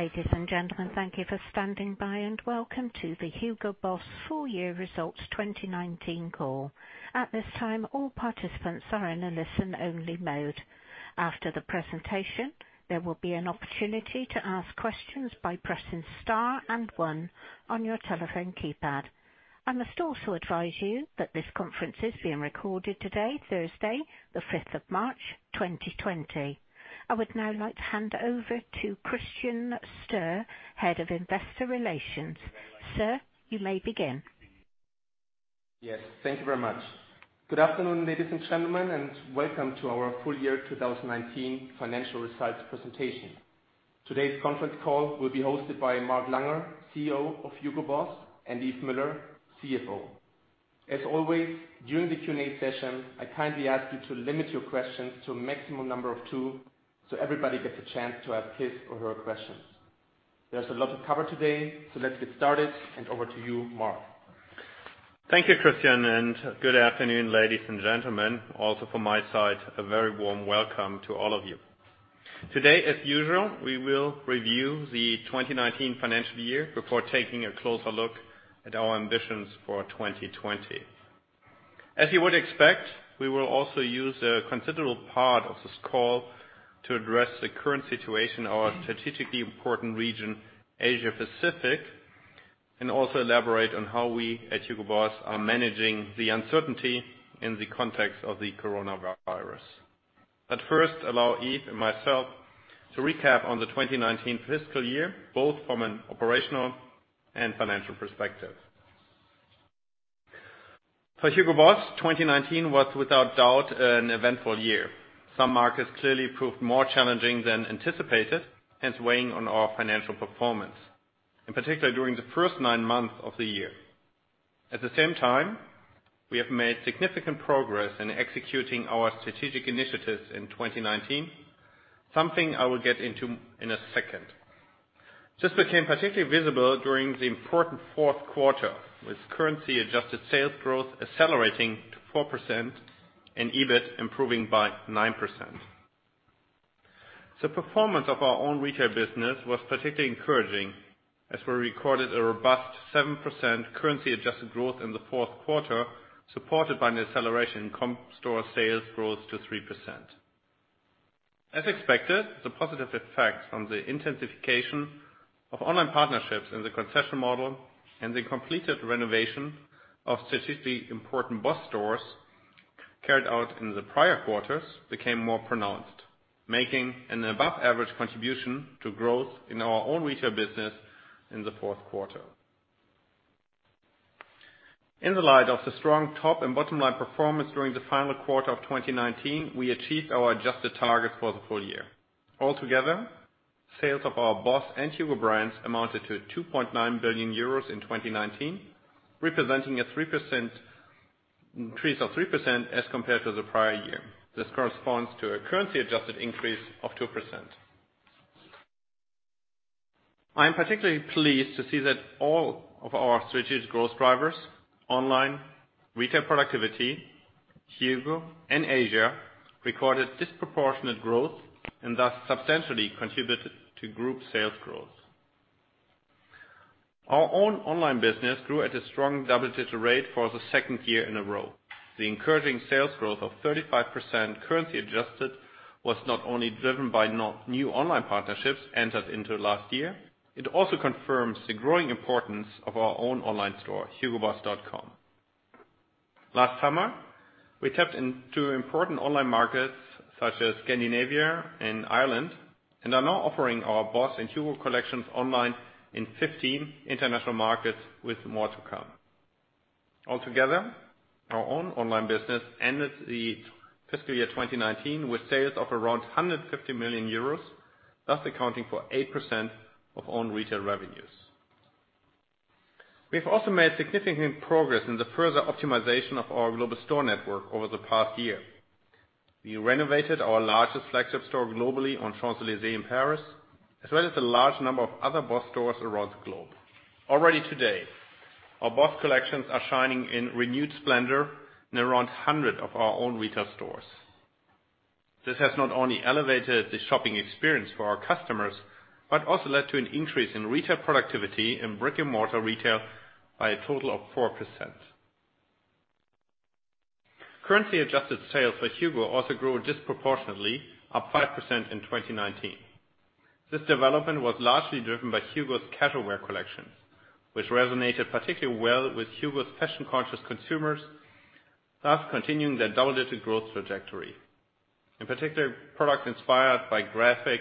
Ladies and gentlemen, thank you for standing by, and welcome to the Hugo Boss full year results 2019 call. At this time, all participants are in a listen-only mode. After the presentation, there will be an opportunity to ask questions by pressing star and one on your telephone keypad. I must also advise you that this conference is being recorded today, Thursday, the 5th of March 2020. I would now like to hand over to Christian Stöhr, Head of Investor Relations. Sir, you may begin. Yes, thank you very much. Good afternoon, ladies and gentlemen, and welcome to our full year 2019 financial results presentation. Today's conference call will be hosted by Mark Langer, CEO of Hugo Boss, and Yves Müller, CFO. As always, during the Q&A session, I kindly ask you to limit your questions to a maximum number of two, so everybody gets a chance to ask his or her questions. There's a lot to cover today, so let's get started, and over to you, Mark. Thank you, Christian. Good afternoon, ladies and gentlemen. Also from my side, a very warm welcome to all of you. Today, as usual, we will review the 2019 financial year before taking a closer look at our ambitions for 2020. As you would expect, we will also use a considerable part of this call to address the current situation in our strategically important region, Asia Pacific, and also elaborate on how we at Hugo Boss are managing the uncertainty in the context of the coronavirus. First, allow Yves and myself to recap on the 2019 fiscal year, both from an operational and financial perspective. For Hugo Boss, 2019 was without doubt an eventful year. Some markets clearly proved more challenging than anticipated, hence weighing on our financial performance, in particular during the first nine months of the year. At the same time, we have made significant progress in executing our strategic initiatives in 2019, something I will get into in a second. This became particularly visible during the important fourth quarter, with currency-adjusted sales growth accelerating to 4% and EBIT improving by 9%. The performance of our own retail business was particularly encouraging as we recorded a robust 7% currency-adjusted growth in the fourth quarter, supported by an acceleration in comp store sales growth to 3%. As expected, the positive effect from the intensification of online partnerships in the concession model and the completed renovation of strategically important BOSS stores carried out in the prior quarters became more pronounced, making an above-average contribution to growth in our own retail business in the fourth quarter. In the light of the strong top and bottom line performance during the final quarter of 2019, we achieved our adjusted targets for the full year. Altogether, sales of our BOSS and HUGO brands amounted to 2.9 billion euros in 2019, representing an increase of 3% as compared to the prior year. This corresponds to a currency-adjusted increase of 2%. I am particularly pleased to see that all of our strategic growth drivers, online, retail productivity, HUGO, and Asia, recorded disproportionate growth and thus substantially contributed to group sales growth. Our own online business grew at a strong double-digit rate for the second year in a row. The encouraging sales growth of 35% currency adjusted was not only driven by new online partnerships entered into last year, it also confirms the growing importance of our own online store, hugoboss.com. Last summer, we tapped into important online markets such as Scandinavia and Ireland and are now offering our BOSS and HUGO collections online in 15 international markets, with more to come. Altogether, our own online business ended the fiscal year 2019 with sales of around 150 million euros, thus accounting for 8% of own retail revenues. We've also made significant progress in the further optimization of our global store network over the past year. We renovated our largest flagship store globally on Champs-Élysées in Paris, as well as a large number of other BOSS stores around the globe. Already today, our BOSS collections are shining in renewed splendor in around 100 of our own retail stores. This has not only elevated the shopping experience for our customers, but also led to an increase in retail productivity in brick-and-mortar retail by a total of 4%. Currency-adjusted sales for HUGO also grew disproportionately, up 5% in 2019. This development was largely driven by HUGO's casual wear collections, which resonated particularly well with HUGO's fashion-conscious consumers, thus continuing their double-digit growth trajectory. In particular, products inspired by graphic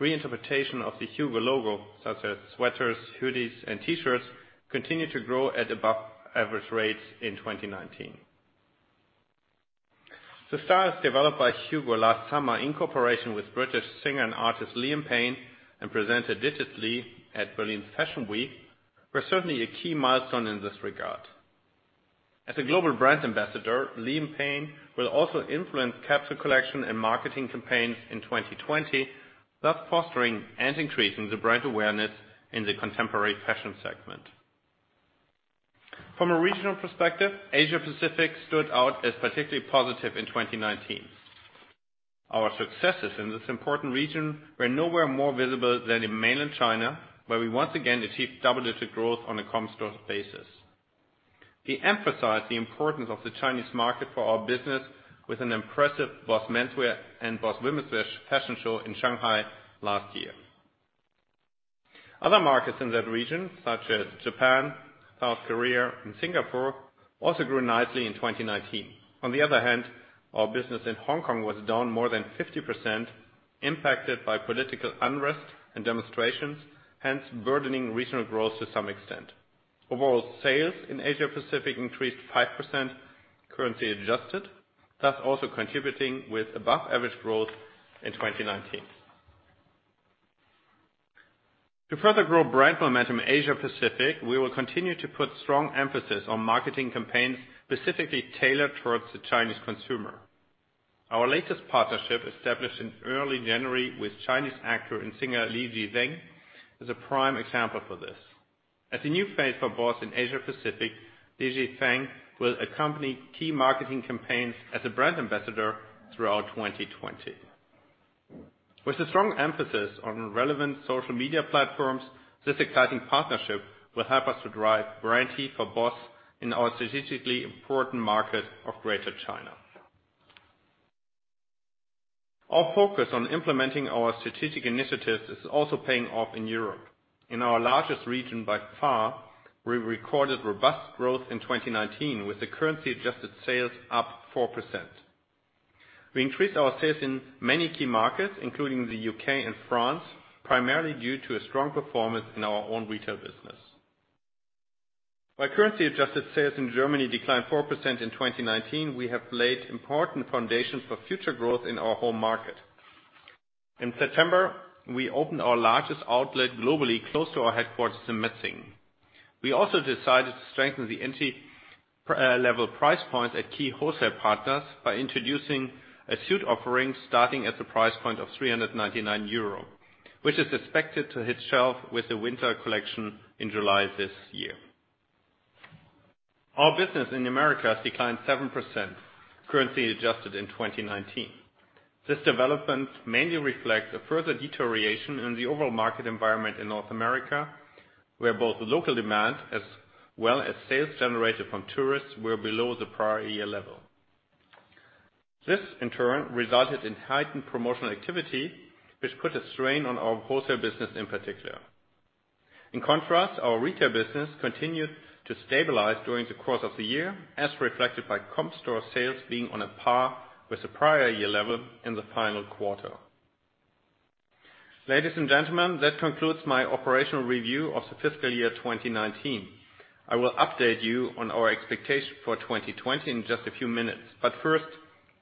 reinterpretation of the HUGO logo, such as sweaters, hoodies, and T-shirts, continued to grow at above average rates in 2019. The styles developed by HUGO last summer in cooperation with British singer and artist Liam Payne and presented digitally at Berlin Fashion Week, were certainly a key milestone in this regard. As a global brand ambassador, Liam Payne will also influence capsule collection and marketing campaigns in 2020, thus fostering and increasing the brand awareness in the contemporary fashion segment. From a regional perspective, Asia Pacific stood out as particularly positive in 2019. Our successes in this important region were nowhere more visible than in mainland China, where we once again achieved double-digit growth on a comp store basis. We emphasized the importance of the Chinese market for our business with an impressive BOSS menswear and BOSS womenswear fashion show in Shanghai last year. Other markets in that region, such as Japan, South Korea, and Singapore, also grew nicely in 2019. On the other hand, our business in Hong Kong was down more than 50%, impacted by political unrest and demonstrations, hence burdening regional growth to some extent. Overall sales in Asia Pacific increased 5% currency adjusted, thus also contributing with above average growth in 2019. To further grow brand momentum Asia Pacific, we will continue to put strong emphasis on marketing campaigns specifically tailored towards the Chinese consumer. Our latest partnership established in early January with Chinese actor and singer Li Yifeng is a prime example for this. As a new face for BOSS in Asia Pacific, Li Yifeng will accompany key marketing campaigns as a brand ambassador throughout 2020. With a strong emphasis on relevant social media platforms, this exciting partnership will help us to drive brand heat for BOSS in our strategically important market of Greater China. Our focus on implementing our strategic initiatives is also paying off in Europe. In our largest region by far, we recorded robust growth in 2019 with the currency-adjusted sales up 4%. We increased our sales in many key markets, including the U.K. and France, primarily due to a strong performance in our own retail business. While currency-adjusted sales in Germany declined 4% in 2019, we have laid important foundations for future growth in our home market. In September, we opened our largest outlet globally close to our headquarters in Metzingen. We also decided to strengthen the entry-level price points at key wholesale partners by introducing a suit offering starting at the price point of 399 euro, which is expected to hit shelf with the winter collection in July this year. Our business in Americas declined 7% currency adjusted in 2019. This development mainly reflects a further deterioration in the overall market environment in North America, where both the local demand as well as sales generated from tourists were below the prior year level. This, in turn, resulted in heightened promotional activity, which put a strain on our wholesale business in particular. In contrast, our retail business continued to stabilize during the course of the year, as reflected by comp store sales being on a par with the prior year level in the final quarter. Ladies and gentlemen, that concludes my operational review of the fiscal year 2019. I will update you on our expectations for 2020 in just a few minutes. First,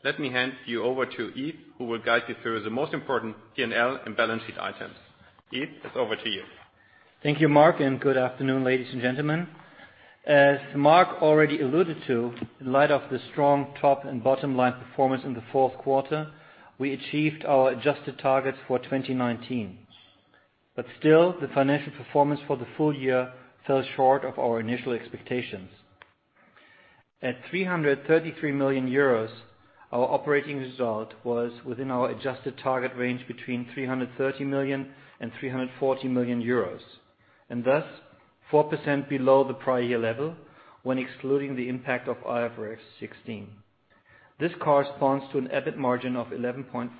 let me hand you over to Yves, who will guide you through the most important P&L and balance sheet items. Yves, it's over to you. Thank you, Mark, and good afternoon, ladies and gentlemen. As Mark already alluded to, in light of the strong top and bottom line performance in the fourth quarter, we achieved our adjusted targets for 2019. Still, the financial performance for the full year fell short of our initial expectations. At 333 million euros, our operating result was within our adjusted target range between 330 million and 340 million euros, and thus 4% below the prior year level when excluding the impact of IFRS 16. This corresponds to an EBIT margin of 11.5%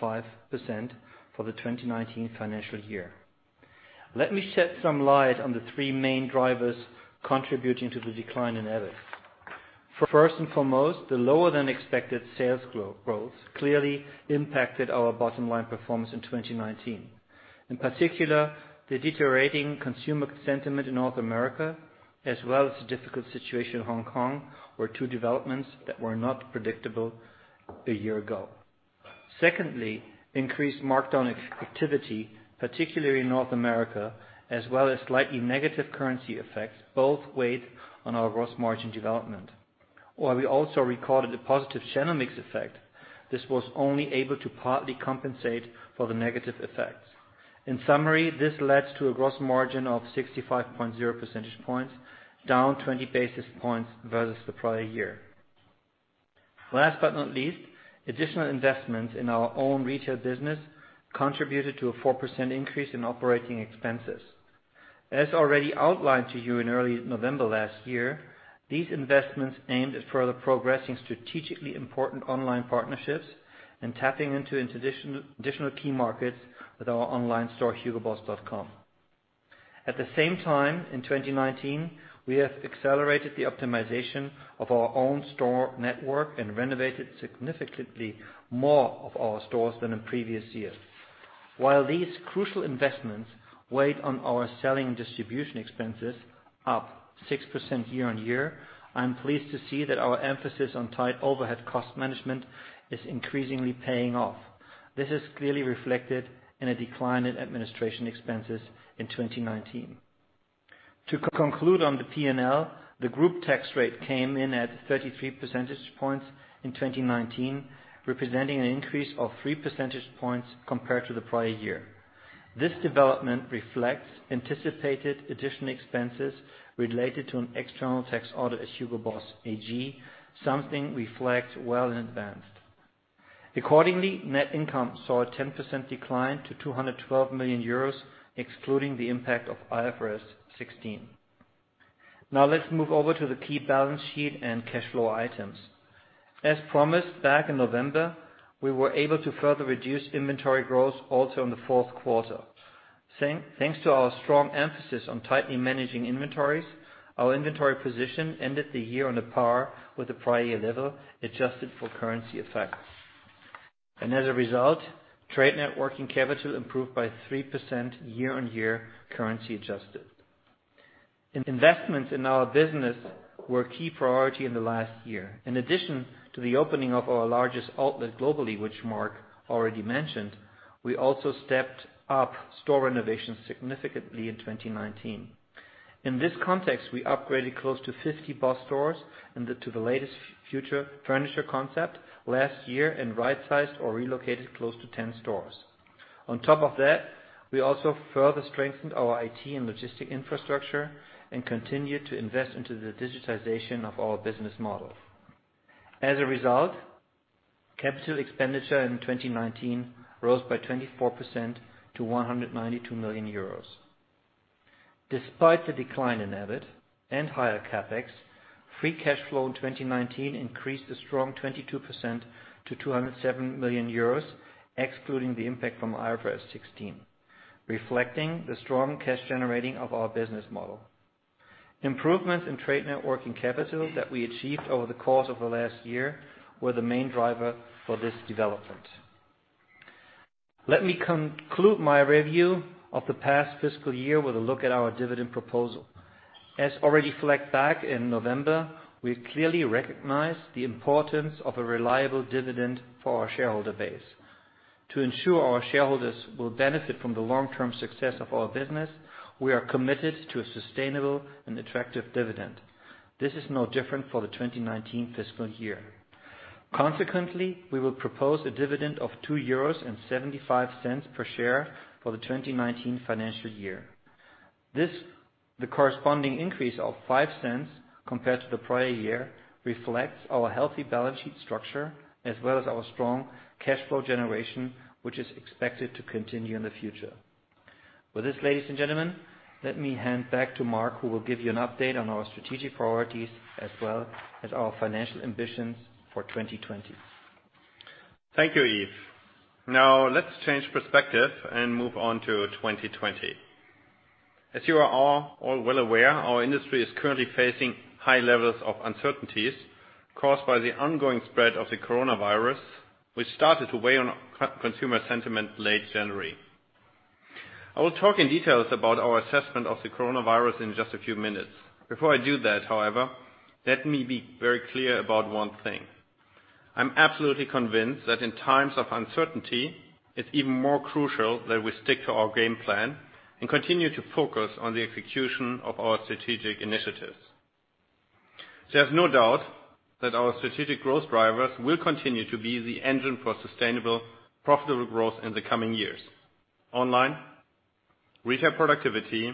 for the 2019 financial year. Let me shed some light on the three main drivers contributing to the decline in EBIT. First and foremost, the lower than expected sales growth clearly impacted our bottom line performance in 2019. In particular, the deteriorating consumer sentiment in North America, as well as the difficult situation in Hong Kong, were two developments that were not predictable a year ago. Secondly, increased markdown activity, particularly in North America, as well as slightly negative currency effects, both weighed on our gross margin development. While we also recorded a positive channel mix effect, this was only able to partly compensate for the negative effects. In summary, this led to a gross margin of 65.0 percentage points, down 20 basis points versus the prior year. Last but not least, additional investments in our own retail business contributed to a 4% increase in operating expenses. As already outlined to you in early November last year, these investments aimed at further progressing strategically important online partnerships and tapping into additional key markets with our online store hugoboss.com. At the same time, in 2019, we have accelerated the optimization of our own store network and renovated significantly more of our stores than in previous years. While these crucial investments weighed on our selling and distribution expenses, up 6% year-on-year, I am pleased to see that our emphasis on tight overhead cost management is increasingly paying off. This is clearly reflected in a decline in administration expenses in 2019. To conclude on the P&L, the group tax rate came in at 33 percentage points in 2019, representing an increase of 3 percentage points compared to the prior year. This development reflects anticipated additional expenses related to an external tax audit as Hugo Boss AG, something we flagged well in advance. Accordingly, net income saw a 10% decline to 212 million euros, excluding the impact of IFRS 16. Let's move over to the key balance sheet and cash flow items. As promised back in November, we were able to further reduce inventory growth also in the fourth quarter. Thanks to our strong emphasis on tightly managing inventories, our inventory position ended the year on par with the prior year level, adjusted for currency effects. As a result, trade net working capital improved by 3% year-on-year currency adjusted. Investments in our business were a key priority in the last year. In addition to the opening of our largest outlet globally, which Mark already mentioned, we also stepped up store renovations significantly in 2019. In this context, we upgraded close to 50 BOSS stores to the latest furniture concept last year and right-sized or relocated close to 10 stores. We also further strengthened our IT and logistics infrastructure and continued to invest into the digitization of our business model. Capital expenditure in 2019 rose by 24% to 192 million euros. Despite the decline in EBIT and higher CapEx, free cash flow in 2019 increased a strong 22% to 207 million euros, excluding the impact from IFRS 16, reflecting the strong cash-generating of our business model. Improvements in trade net working capital that we achieved over the course of the last year were the main driver for this development. Let me conclude my review of the past fiscal year with a look at our dividend proposal. Already flagged back in November, we clearly recognize the importance of a reliable dividend for our shareholder base. To ensure our shareholders will benefit from the long-term success of our business, we are committed to a sustainable and attractive dividend. This is no different for the 2019 fiscal year. Consequently, we will propose a dividend of 2.75 euros per share for the 2019 financial year. The corresponding increase of 0.05 compared to the prior year reflects our healthy balance sheet structure as well as our strong cash flow generation, which is expected to continue in the future. With this, ladies and gentlemen, let me hand back to Mark, who will give you an update on our strategic priorities as well as our financial ambitions for 2020. Thank you, Yves. Now, let's change perspective and move on to 2020. As you are all well aware, our industry is currently facing high levels of uncertainties caused by the ongoing spread of the coronavirus, which started to weigh on consumer sentiment late January. I will talk in detail about our assessment of the coronavirus in just a few minutes. Before I do that, however, let me be very clear about one thing. I'm absolutely convinced that in times of uncertainty, it's even more crucial that we stick to our game plan and continue to focus on the execution of our strategic initiatives. There's no doubt that our strategic growth drivers will continue to be the engine for sustainable, profitable growth in the coming years. Online, retail productivity,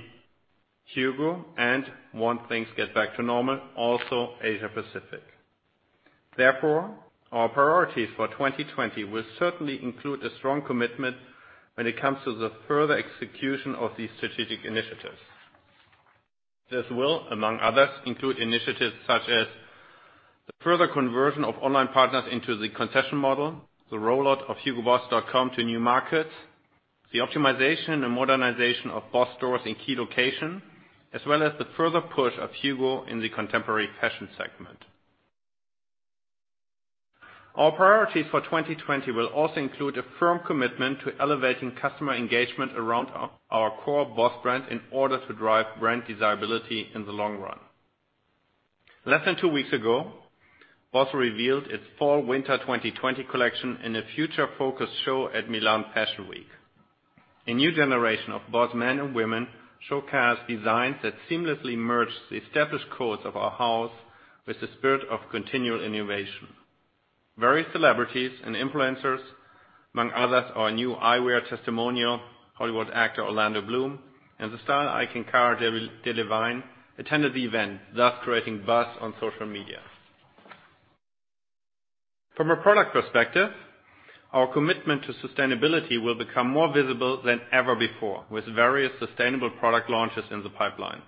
HUGO, and, once things get back to normal, also Asia Pacific. Therefore, our priorities for 2020 will certainly include a strong commitment when it comes to the further execution of these strategic initiatives. This will, among others, include initiatives such as the further conversion of online partners into the concession model, the rollout of hugoboss.com to new markets, the optimization and modernization of BOSS stores in key locations, as well as the further push of HUGO in the contemporary fashion segment. Our priorities for 2020 will also include a firm commitment to elevating customer engagement around our core BOSS brand in order to drive brand desirability in the long run. Less than two weeks ago, BOSS revealed its fall/winter 2020 collection in a future-focused show at Milan Fashion Week. A new generation of BOSS men and women showcased designs that seamlessly merge the established codes of our house with the spirit of continual innovation. Various celebrities and influencers, among others, our new eyewear testimonial, Hollywood actor Orlando Bloom, and the style icon Cara Delevingne, attended the event, thus creating buzz on social media. From a product perspective, our commitment to sustainability will become more visible than ever before with various sustainable product launches in the pipeline.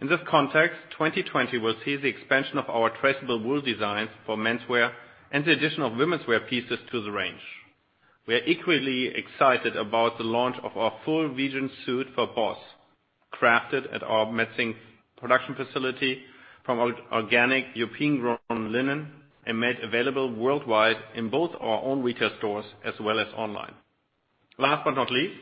In this context, 2020 will see the expansion of our traceable wool designs for menswear and the addition of womenswear pieces to the range. We are equally excited about the launch of our full vegan suit for BOSS, crafted at our Metzingen production facility from organic European-grown linen and made available worldwide in both our own retail stores as well as online. Last but not least,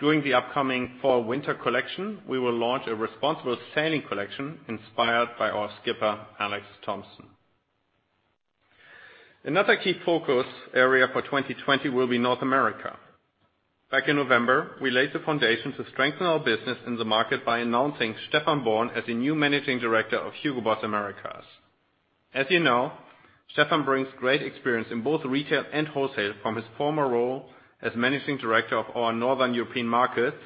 during the upcoming fall/winter collection, we will launch a responsible sailing collection inspired by our skipper, Alex Thomson. Another key focus area for 2020 will be North America. Back in November, we laid the foundation to strengthen our business in the market by announcing Stephan Born as the new managing director of Hugo Boss Americas. As you know, Stephan brings great experience in both retail and wholesale from his former role as managing director of our Northern European markets,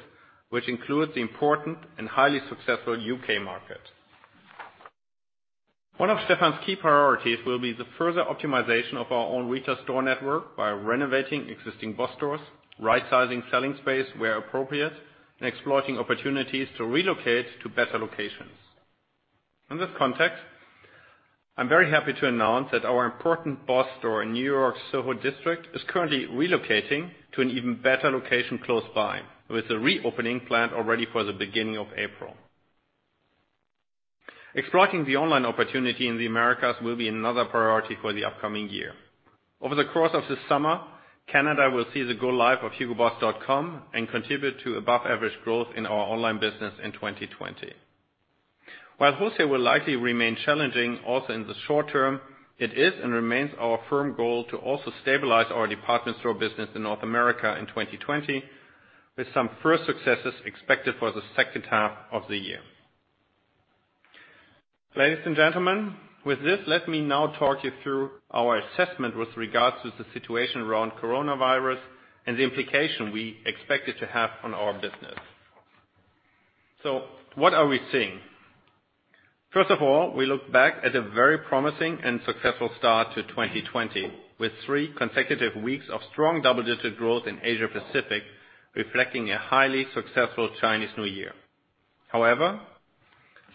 which includes the important and highly successful U.K. market. One of Stephan's key priorities will be the further optimization of our own retail store network by renovating existing BOSS stores, rightsizing selling space where appropriate, and exploiting opportunities to relocate to better locations. In this context, I'm very happy to announce that our important BOSS store in New York's SoHo district is currently relocating to an even better location close by, with the reopening planned already for the beginning of April. Exploiting the online opportunity in the Americas will be another priority for the upcoming year. Over the course of this summer, Canada will see the go live of hugoboss.com and contribute to above-average growth in our online business in 2020. While wholesale will likely remain challenging also in the short term, it is and remains our firm goal to also stabilize our department store business in North America in 2020, with some first successes expected for the second half of the year. Ladies and gentlemen, with this, let me now talk you through our assessment with regards to the situation around coronavirus and the implication we expect it to have on our business. What are we seeing? First of all, we look back at a very promising and successful start to 2020, with three consecutive weeks of strong double-digit growth in Asia Pacific, reflecting a highly successful Chinese New Year.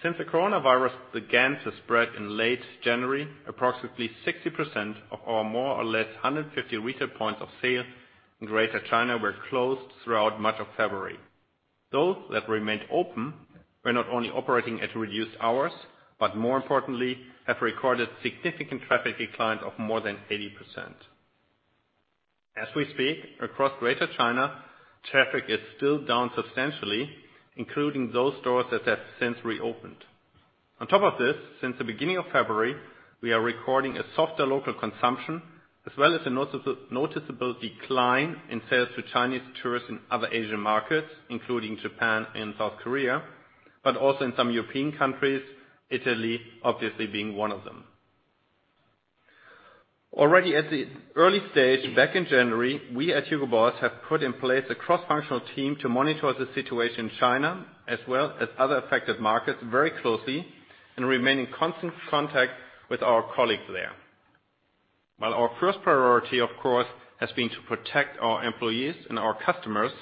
Since the coronavirus began to spread in late January, approximately 60% of our more or less 150 retail points of sale in Greater China were closed throughout much of February. Those that remained open were not only operating at reduced hours, but more importantly, have recorded significant traffic decline of more than 80%. As we speak, across Greater China, traffic is still down substantially, including those stores that have since reopened. On top of this, since the beginning of February, we are recording a softer local consumption, as well as a noticeable decline in sales to Chinese tourists in other Asian markets, including Japan and South Korea, but also in some European countries, Italy obviously being one of them. Already at the early stage back in January, we at Hugo Boss have put in place a cross-functional team to monitor the situation in China as well as other affected markets very closely and remain in constant contact with our colleagues there. While our first priority, of course, has been to protect our employees and our customers,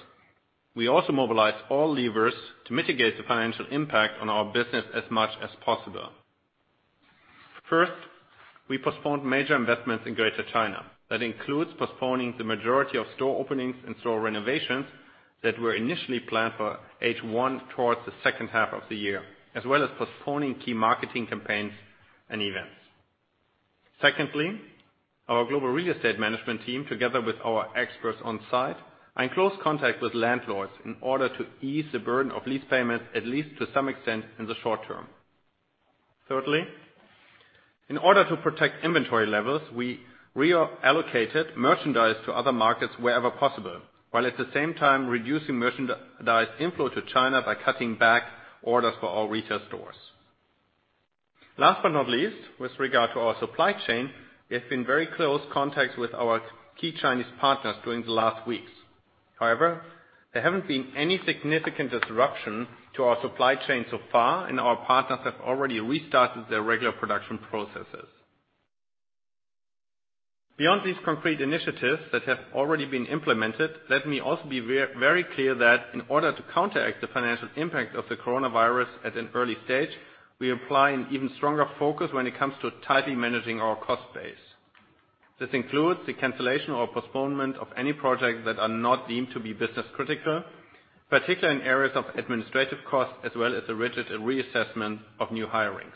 we also mobilize all levers to mitigate the financial impact on our business as much as possible. First, we postponed major investments in Greater China. That includes postponing the majority of store openings and store renovations that were initially planned for H1 towards the second half of the year, as well as postponing key marketing campaigns and events. Secondly, our global real estate management team, together with our experts on site, are in close contact with landlords in order to ease the burden of lease payments at least to some extent in the short term. Thirdly, in order to protect inventory levels, we reallocated merchandise to other markets wherever possible, while at the same time reducing merchandise inflow to China by cutting back orders for all retail stores. Last but not least, with regard to our supply chain, we have been in very close contact with our key Chinese partners during the last weeks. There haven't been any significant disruption to our supply chain so far, and our partners have already restarted their regular production processes. Beyond these concrete initiatives that have already been implemented, let me also be very clear that in order to counteract the financial impact of the coronavirus at an early stage, we apply an even stronger focus when it comes to tightly managing our cost base. This includes the cancellation or postponement of any projects that are not deemed to be business-critical, particularly in areas of administrative costs, as well as a rigid reassessment of new hirings.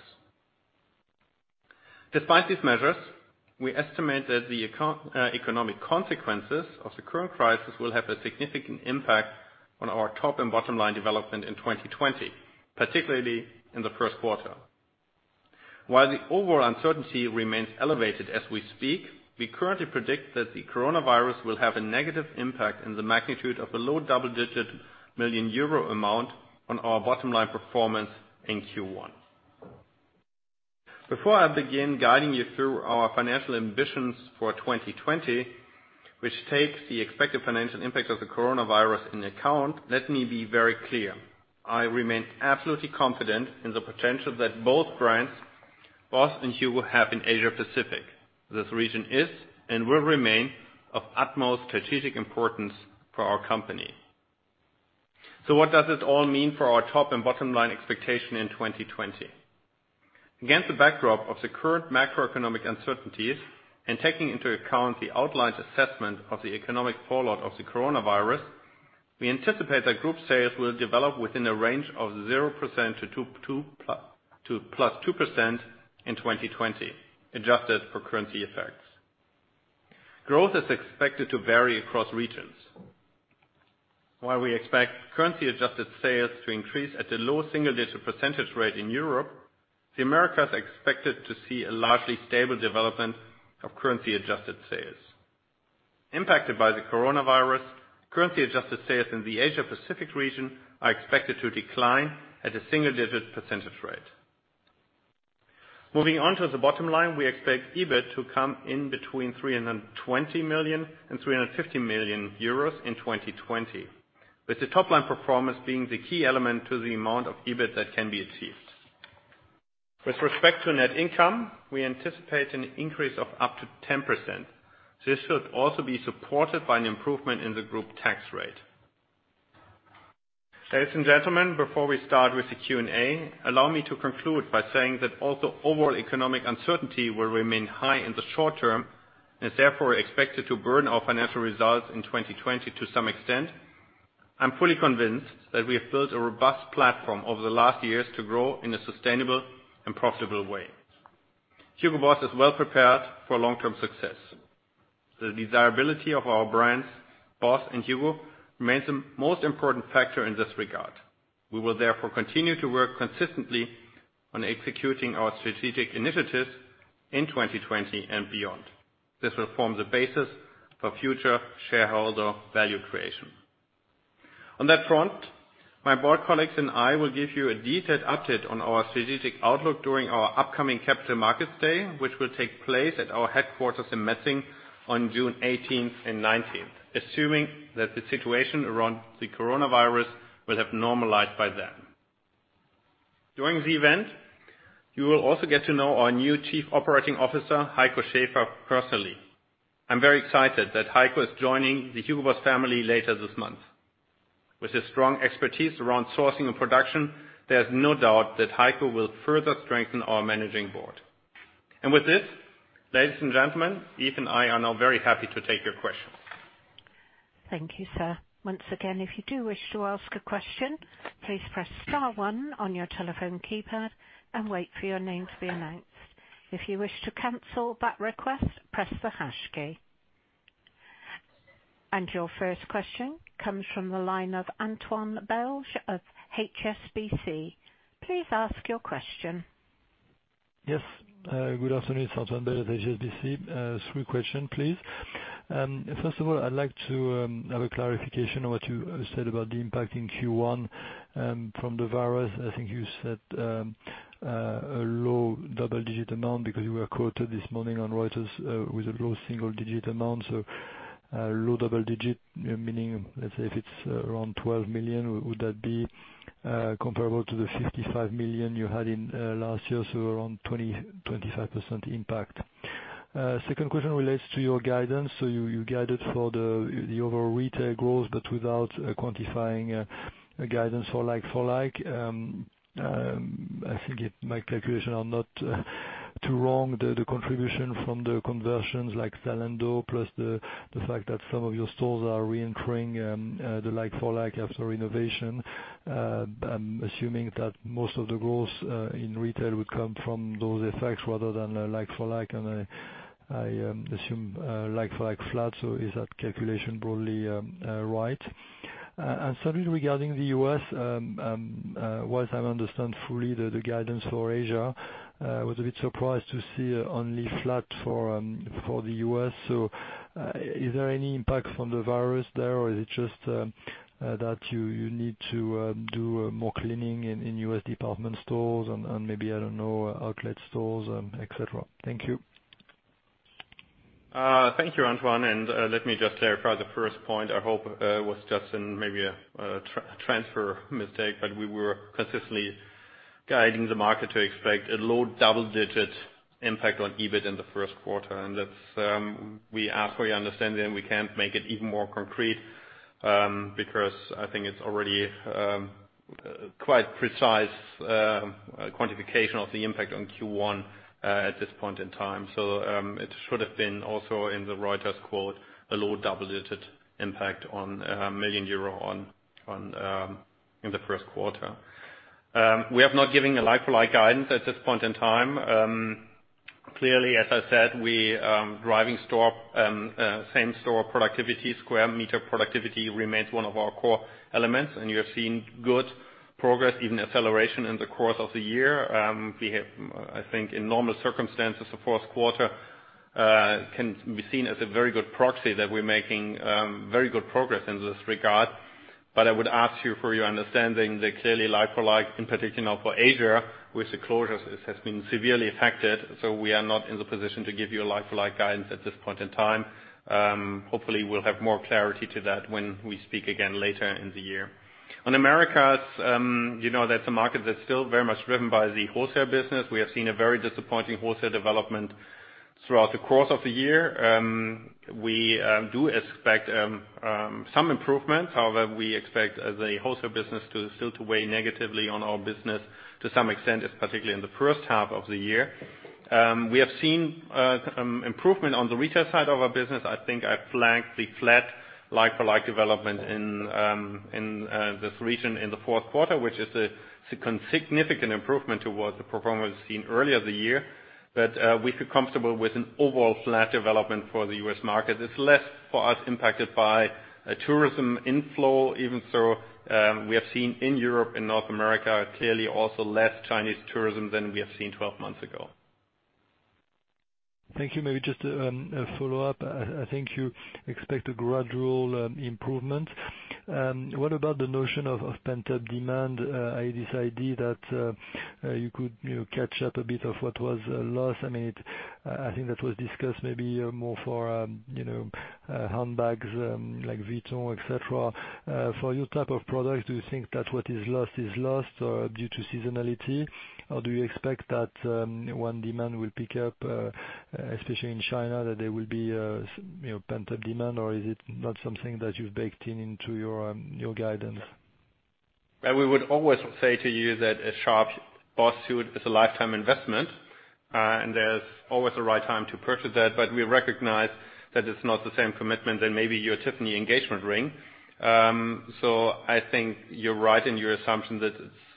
Despite these measures, we estimate that the economic consequences of the current crisis will have a significant impact on our top and bottom line development in 2020, particularly in the first quarter. While the overall uncertainty remains elevated as we speak, we currently predict that the coronavirus will have a negative impact in the magnitude of a low double-digit million euro amount on our bottom line performance in Q1. Before I begin guiding you through our financial ambitions for 2020, which takes the expected financial impact of the coronavirus into account, let me be very clear, I remain absolutely confident in the potential that both brands, BOSS and HUGO, have in Asia Pacific. This region is and will remain of utmost strategic importance for our company. What does this all mean for our top and bottom line expectation in 2020? Against the backdrop of the current macroeconomic uncertainties and taking into account the outlined assessment of the economic fallout of the coronavirus, we anticipate that group sales will develop within a range of 0% to +2% in 2020, adjusted for currency effects. Growth is expected to vary across regions. While we expect currency-adjusted sales to increase at a low single-digit percentage rate in Europe, the Americas are expected to see a largely stable development of currency-adjusted sales. Impacted by the coronavirus, currency-adjusted sales in the Asia Pacific region are expected to decline at a single-digit percentage rate. Moving on to the bottom line, we expect EBIT to come in between 320 million and 350 million euros in 2020, with the top-line performance being the key element to the amount of EBIT that can be achieved. With respect to net income, we anticipate an increase of up to 10%. This should also be supported by an improvement in the group tax rate. Ladies and gentlemen, before we start with the Q&A, allow me to conclude by saying that although overall economic uncertainty will remain high in the short term, and is therefore expected to burden our financial results in 2020 to some extent, I'm fully convinced that we have built a robust platform over the last years to grow in a sustainable and profitable way. Hugo Boss is well prepared for long-term success. The desirability of our brands, BOSS and HUGO, remains the most important factor in this regard. We will therefore continue to work consistently on executing our strategic initiatives in 2020 and beyond. This will form the basis for future shareholder value creation. On that front, my board colleagues and I will give you a detailed update on our strategic outlook during our upcoming Capital Markets Day, which will take place at our headquarters in Metzingen on June 18th and 19th, assuming that the situation around the coronavirus will have normalized by then. During the event, you will also get to know our new Chief Operating Officer, Heiko Schäfer, personally. I'm very excited that Heiko is joining the Hugo Boss family later this month. With his strong expertise around sourcing and production, there's no doubt that Heiko will further strengthen our managing board. With this, ladies and gentlemen, Yves and I are now very happy to take your questions. Thank you, sir. Once again, if you do wish to ask a question, please press star one on your telephone keypad and wait for your name to be announced. If you wish to cancel that request, press the hash key. Your first question comes from the line of Antoine Belge of HSBC. Please ask your question. Yes. Good afternoon. It's Antoine Belge of HSBC. Three question, please. First of all, I'd like to have a clarification on what you said about the impact in Q1 from the virus. I think you said a low double-digit amount because you were quoted this morning on Reuters with a low single-digit amount. Low double-digit meaning, let's say, if it's around 12 million, would that be comparable to the 55 million you had in last year, around 25% impact? Second question relates to your guidance. You guided for the overall retail growth, but without quantifying a guidance for like-for-like. I think if my calculation are not too wrong, the contribution from the conversions like Zalando, plus the fact that some of your stores are reentering the like-for-like after renovation. I'm assuming that most of the growth in retail would come from those effects rather than like-for-like, and I assume like-for-like flat, is that calculation broadly right? Second, regarding the U.S., whilst I understand fully the guidance for Asia, I was a bit surprised to see only flat for the U.S. Is there any impact from the virus there, or is it just that you need to do more cleaning in U.S. department stores and maybe, I don't know, outlet stores, et cetera? Thank you. Thank you, Antoine. Let me just clarify the first point. I hope it was just maybe a transfer mistake, but we were consistently guiding the market to expect a low double-digit impact on EBIT in the first quarter. We ask for your understanding. We can't make it even more concrete, because I think it's already quite precise quantification of the impact on Q1 at this point in time. It should have been also in the Reuters quote, "A low double-digit impact on 1 million euro in the first quarter." We have not given a like-for-like guidance at this point in time. Clearly, as I said, driving same store productivity, square meter productivity remains one of our core elements, and you have seen good progress, even acceleration in the course of the year. We have, I think in normal circumstances, the fourth quarter can be seen as a very good proxy that we're making very good progress in this regard. I would ask you for your understanding that clearly like-for-like, in particular for Asia with the closures, it has been severely affected. We are not in the position to give you a like-for-like guidance at this point in time. Hopefully, we'll have more clarity to that when we speak again later in the year. On Americas, you know that's a market that's still very much driven by the wholesale business. We have seen a very disappointing wholesale development throughout the course of the year. We do expect some improvement. However, we expect the wholesale business to still weigh negatively on our business to some extent, particularly in the first half of the year. We have seen improvement on the retail side of our business. I think I flagged the flat like-for-like development in this region in the fourth quarter, which is a significant improvement towards the performance seen earlier the year. We feel comfortable with an overall flat development for the U.S. market. It's less for us impacted by tourism inflow, even so we have seen in Europe and North America, clearly also less Chinese tourism than we have seen 12 months ago. Thank you. Maybe just a follow-up. I think you expect a gradual improvement. What about the notion of pent-up demand? This idea that you could catch up a bit of what was lost. I think that was discussed maybe more for handbags like Vuitton, et cetera. For your type of product, do you think that what is lost is lost due to seasonality, or do you expect that when demand will pick up, especially in China, that there will be pent-up demand, or is it not something that you've baked into your guidance? We would always say to you that a sharp BOSS suit is a lifetime investment, and there's always a right time to purchase that, but we recognize that it's not the same commitment as maybe your Tiffany engagement ring. I think you're right in your assumption that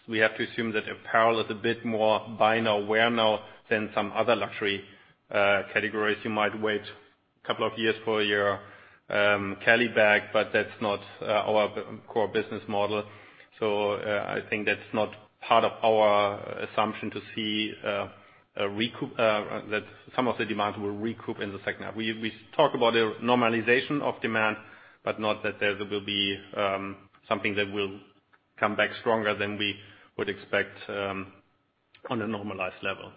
we have to assume that apparel is a bit more buy now, wear now than some other luxury categories. You might wait a couple of years for your Kelly bag, but that's not our core business model. I think that's not part of our assumption to see that some of the demands will recoup in the second half. We talk about a normalization of demand, but not that there will be something that will come back stronger than we would expect on a normalized level.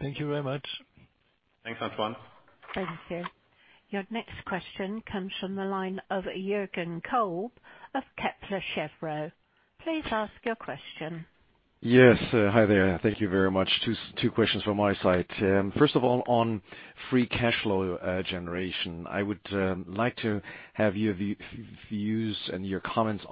Thank you very much. Thanks, Antoine. Thank you. Your next question comes from the line of Jürgen Kolb of Kepler Cheuvreux. Please ask your question. Yes. Hi there. Thank you very much. Two questions from my side. First of all, on free cash flow generation, I would like to have your views and your comments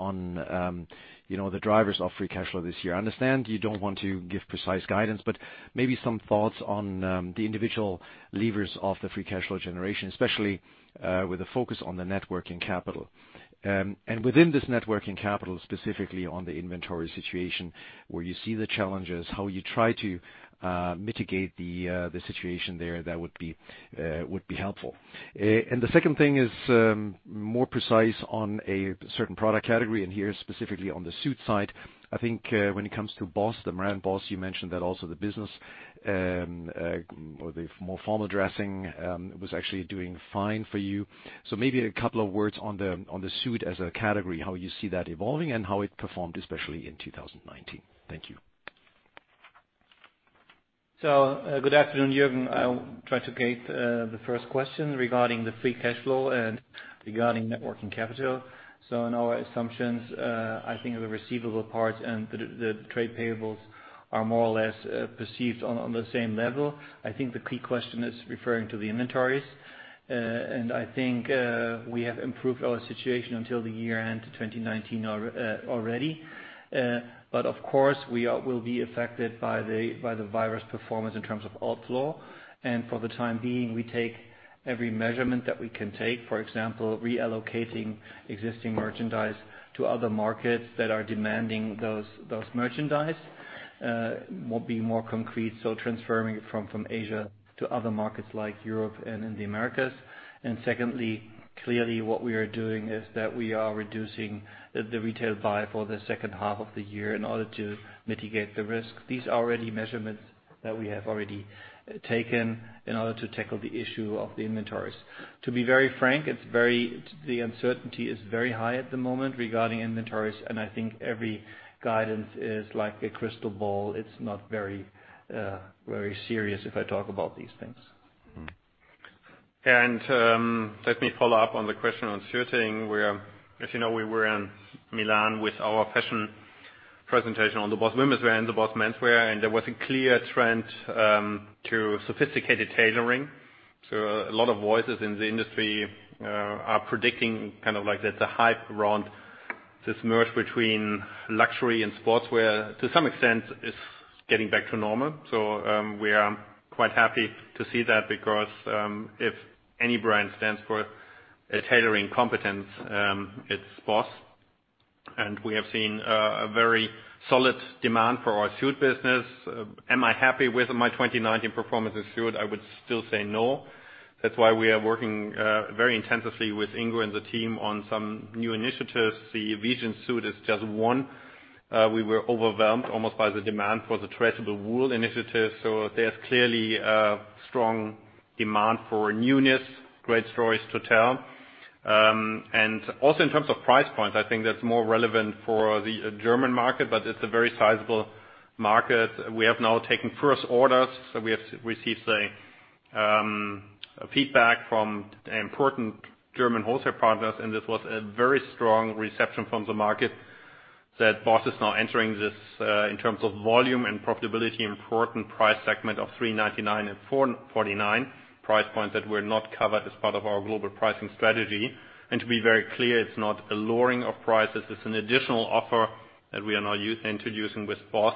on the drivers of free cash flow this year. I understand you don't want to give precise guidance, but maybe some thoughts on the individual levers of the free cash flow generation, especially with a focus on the networking capital. Within this networking capital, specifically on the inventory situation, where you see the challenges, how you try to mitigate the situation there, that would be helpful. The second thing is more precise on a certain product category, and here, specifically on the suit side. I think when it comes to BOSS, the brand BOSS, you mentioned that also the business or the more formal dressing was actually doing fine for you. Maybe a couple of words on the suit as a category, how you see that evolving and how it performed, especially in 2019. Thank you. Good afternoon, Jürgen. I'll try to take the first question regarding the free cash flow and regarding net working capital. In our assumptions, I think the receivable part and the trade payables are more or less perceived on the same level. I think the key question is referring to the inventories. I think we have improved our situation until the year-end to 2019 already. Of course, we will be affected by the virus performance in terms of outflow. For the time being, we take every measurement that we can take. For example, reallocating existing merchandise to other markets that are demanding those merchandise. Being more concrete, so transferring it from Asia to other markets like Europe and in the Americas. Secondly, clearly what we are doing is that we are reducing the retail buy for the second half of the year in order to mitigate the risk. These are measurements that we have already taken in order to tackle the issue of the inventories. To be very frank, the uncertainty is very high at the moment regarding inventories, and I think every guidance is like a crystal ball. It's not very serious if I talk about these things. Let me follow up on the question on suiting, where, as you know, we were in Milan with our fashion presentation on the BOSS women's wear and the BOSS menswear. There was a clear trend to sophisticated tailoring. A lot of voices in the industry are predicting that the hype around this merge between luxury and sportswear, to some extent, is getting back to normal. We are quite happy to see that because if any brand stands for a tailoring competence, it's BOSS. We have seen a very solid demand for our suit business. Am I happy with my 2019 performance in suit? I would still say no. That's why we are working very intensively with Ingo and the team on some new initiatives. The Vision Suit is just one. We were overwhelmed almost by the demand for the Traceable Wool Initiative. There's clearly a strong demand for newness, great stories to tell. Also in terms of price points, I think that's more relevant for the German market, but it's a very sizable market. We have now taken first orders. We have received a feedback from the important German wholesale partners, and this was a very strong reception from the market that BOSS is now entering this in terms of volume and profitability, important price segment of 399 and 449 price points that were not covered as part of our global pricing strategy. To be very clear, it's not a lowering of prices. It's an additional offer that we are now introducing with BOSS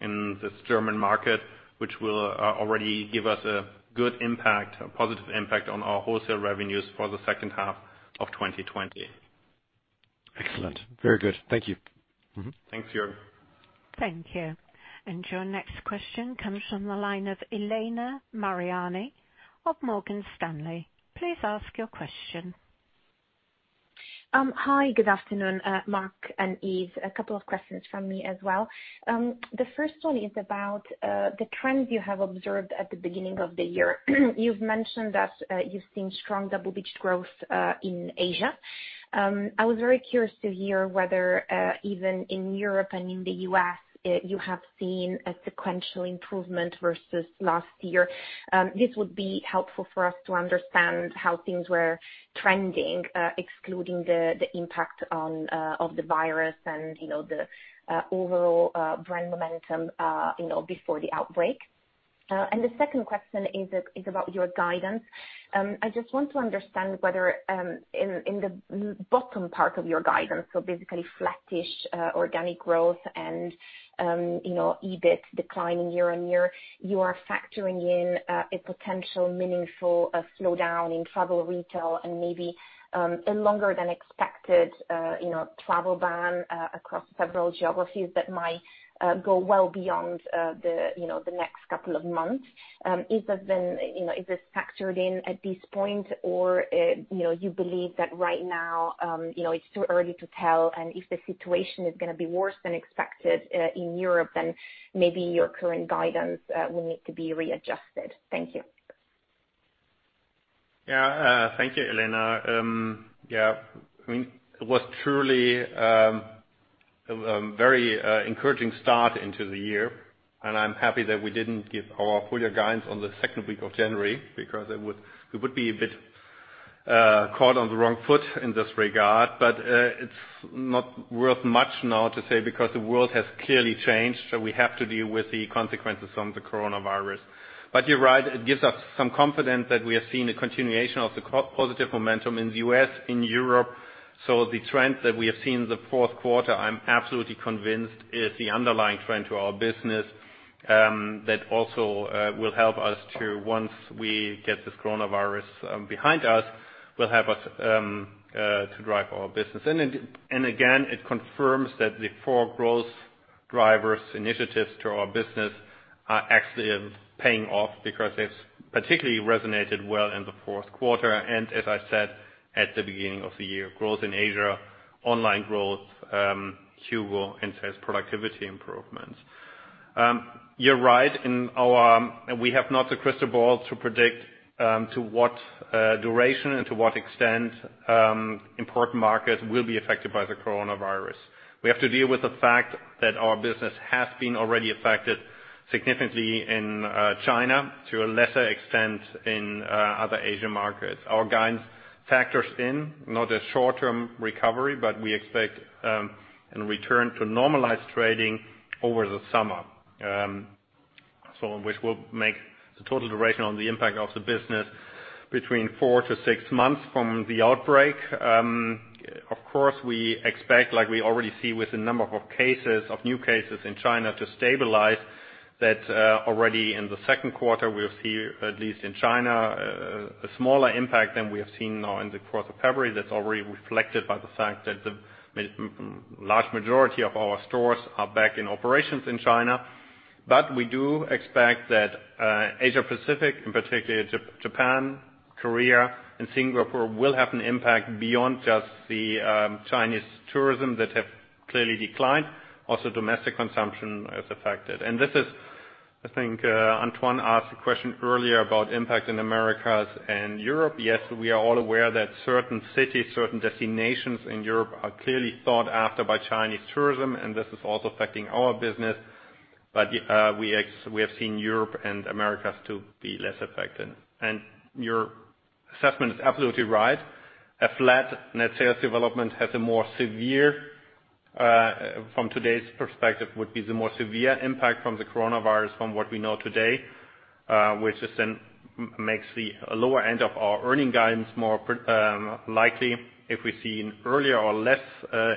in this German market, which will already give us a good impact, a positive impact on our wholesale revenues for the second half of 2020. Excellent. Very good. Thank you. Thanks, Jürgen. Thank you. Your next question comes from the line of Elena Mariani of Morgan Stanley. Please ask your question. Hi, good afternoon, Mark and Yves. A couple of questions from me as well. The first one is about the trends you have observed at the beginning of the year. You've mentioned that you've seen strong double-digit growth in Asia. I was very curious to hear whether even in Europe and in the U.S., you have seen a sequential improvement versus last year. This would be helpful for us to understand how things were trending, excluding the impact of the virus and the overall brand momentum before the outbreak. The second question is about your guidance. I just want to understand whether in the bottom part of your guidance, so basically flattish organic growth and EBIT declining year-on-year, you are factoring in a potential meaningful slowdown in travel retail and maybe a longer than expected travel ban across several geographies that might go well beyond the next couple of months. Is this factored in at this point, or you believe that right now, it's too early to tell, and if the situation is going to be worse than expected in Europe, maybe your current guidance will need to be readjusted? Thank you. Thank you, Elena. It was truly a very encouraging start into the year. I'm happy that we didn't give our full year guidance on the second week of January, we would be a bit caught on the wrong foot in this regard. It's not worth much now to say, the world has clearly changed. We have to deal with the consequences from the coronavirus. You're right, it gives us some confidence that we are seeing a continuation of the positive momentum in the U.S., in Europe. The trend that we have seen in the fourth quarter, I'm absolutely convinced is the underlying trend to our business, that also will help us to, once we get this coronavirus behind us, will help us to drive our business. Again, it confirms that the four growth drivers initiatives to our business are actually paying off because it's particularly resonated well in the fourth quarter. As I said at the beginning of the year, growth in Asia, online growth, HUGO, intense productivity improvements. You're right. We have not a crystal ball to predict to what duration and to what extent important markets will be affected by the coronavirus. We have to deal with the fact that our business has been already affected significantly in China, to a lesser extent in other Asian markets. Our guidance factors in not a short-term recovery, but we expect a return to normalized trading over the summer. Which will make the total duration on the impact of the business between four to six months from the outbreak. Of course, we expect, like we already see with the number of new cases in China to stabilize, that already in the second quarter, we'll see, at least in China, a smaller impact than we have seen now in the course of February. That's already reflected by the fact that the large majority of our stores are back in operations in China. We do expect that Asia-Pacific, in particular Japan, Korea, and Singapore, will have an impact beyond just the Chinese tourism that have clearly declined. Also, domestic consumption is affected. I think Antoine asked a question earlier about impact in Americas and Europe. Yes, we are all aware that certain cities, certain destinations in Europe are clearly sought after by Chinese tourism, and this is also affecting our business. We have seen Europe and Americas to be less affected. Your assessment is absolutely right. A flat net sales development, from today's perspective, would be the more severe impact from the coronavirus from what we know today, which just then makes the lower end of our earning guidance more likely. If we see an earlier or less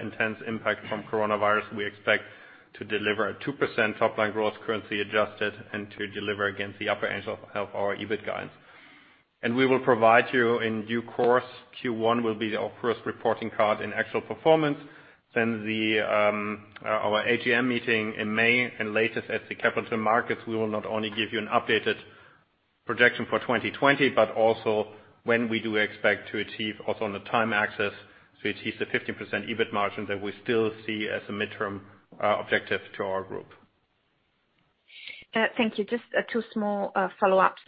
intense impact from coronavirus, we expect to deliver a 2% top-line growth, currency adjusted, and to deliver against the upper end of our EBIT guidance. We will provide you in due course, Q1 will be our first reporting card in actual performance. Our AGM meeting in May and later at the capital markets, we will not only give you an updated projection for 2020, but also when we do expect to achieve also on the time axis, to achieve the 15% EBIT margin that we still see as a midterm objective to our group. Thank you. Just two small follow-ups.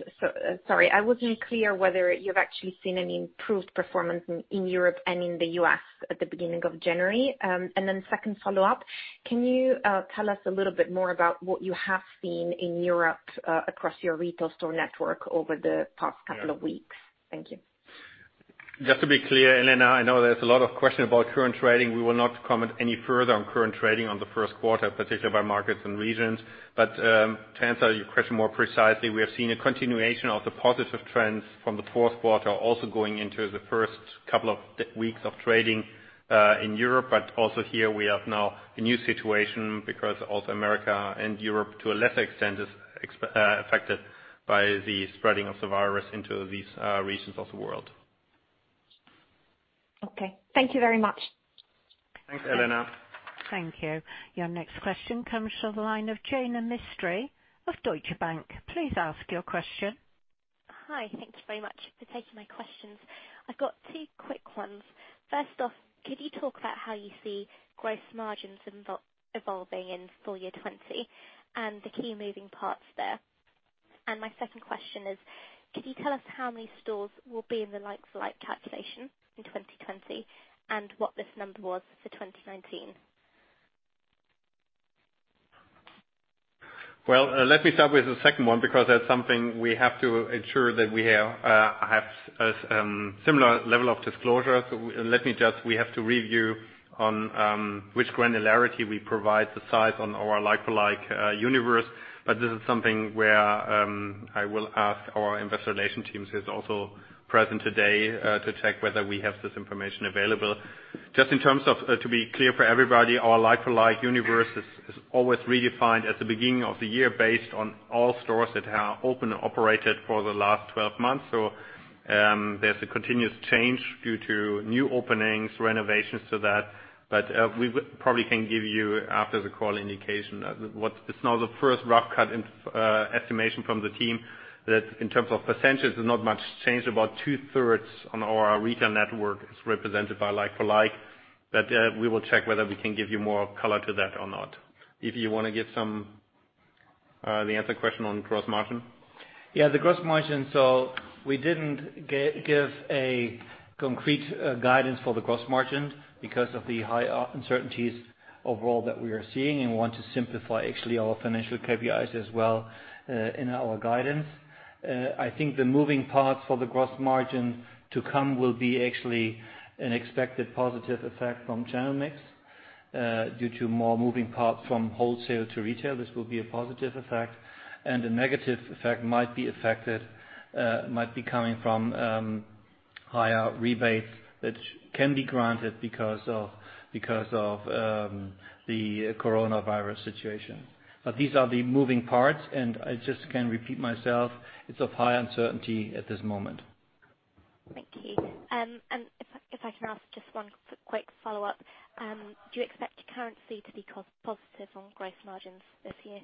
Sorry, I wasn't clear whether you've actually seen any improved performance in Europe and in the U.S. at the beginning of January. Then second follow-up, can you tell us a little bit more about what you have seen in Europe across your retail store network over the past couple of weeks? Thank you. Just to be clear, Elena, I know there's a lot of question about current trading. We will not comment any further on current trading on the first quarter, particularly by markets and regions. To answer your question more precisely, we have seen a continuation of the positive trends from the fourth quarter also going into the first couple of weeks of trading in Europe. Also here we have now a new situation because also America and Europe, to a lesser extent, is affected by the spreading of the virus into these regions of the world. Okay. Thank you very much. Thanks, Elena. Thank you. Your next question comes from the line of Jaina Mistry of Deutsche Bank. Please ask your question. Hi. Thank you very much for taking my questions. I've got two quick ones. First off, could you talk about how you see gross margins evolving in full year 2020 and the key moving parts there? My second question is, could you tell us how many stores will be in the like-for-like calculation in 2020, and what this number was for 2019? Let me start with the second one, because that's something we have to ensure that we have a similar level of disclosure. We have to review on which granularity we provide the size of our like-for-like universe. This is something where I will ask our investor relations teams who's also present today, to check whether we have this information available. Just in terms of, to be clear for everybody, our like-for-like universe is always redefined at the beginning of the year based on all stores that have opened and operated for the last 12 months. There's a continuous change due to new openings, renovations to that. We probably can give you after the call indication. It's now the first rough cut estimation from the team that in terms of percentages, not much changed. About two-thirds of our retail network is represented by like-for-like. We will check whether we can give you more color to that or not. If you want to give the answer question on gross margin. The gross margin. We didn't give a concrete guidance for the gross margin because of the high uncertainties overall that we are seeing, and we want to simplify actually our financial KPIs as well in our guidance. I think the moving parts for the gross margin to come will be actually an expected positive effect from channel mix, due to more moving parts from wholesale to retail. This will be a positive effect. A negative effect might be coming from higher rebates that can be granted because of the coronavirus situation. These are the moving parts, and I just can repeat myself, it's of high uncertainty at this moment. Thank you. If I can ask just one quick follow-up. Do you expect your currency to be positive on gross margins this year?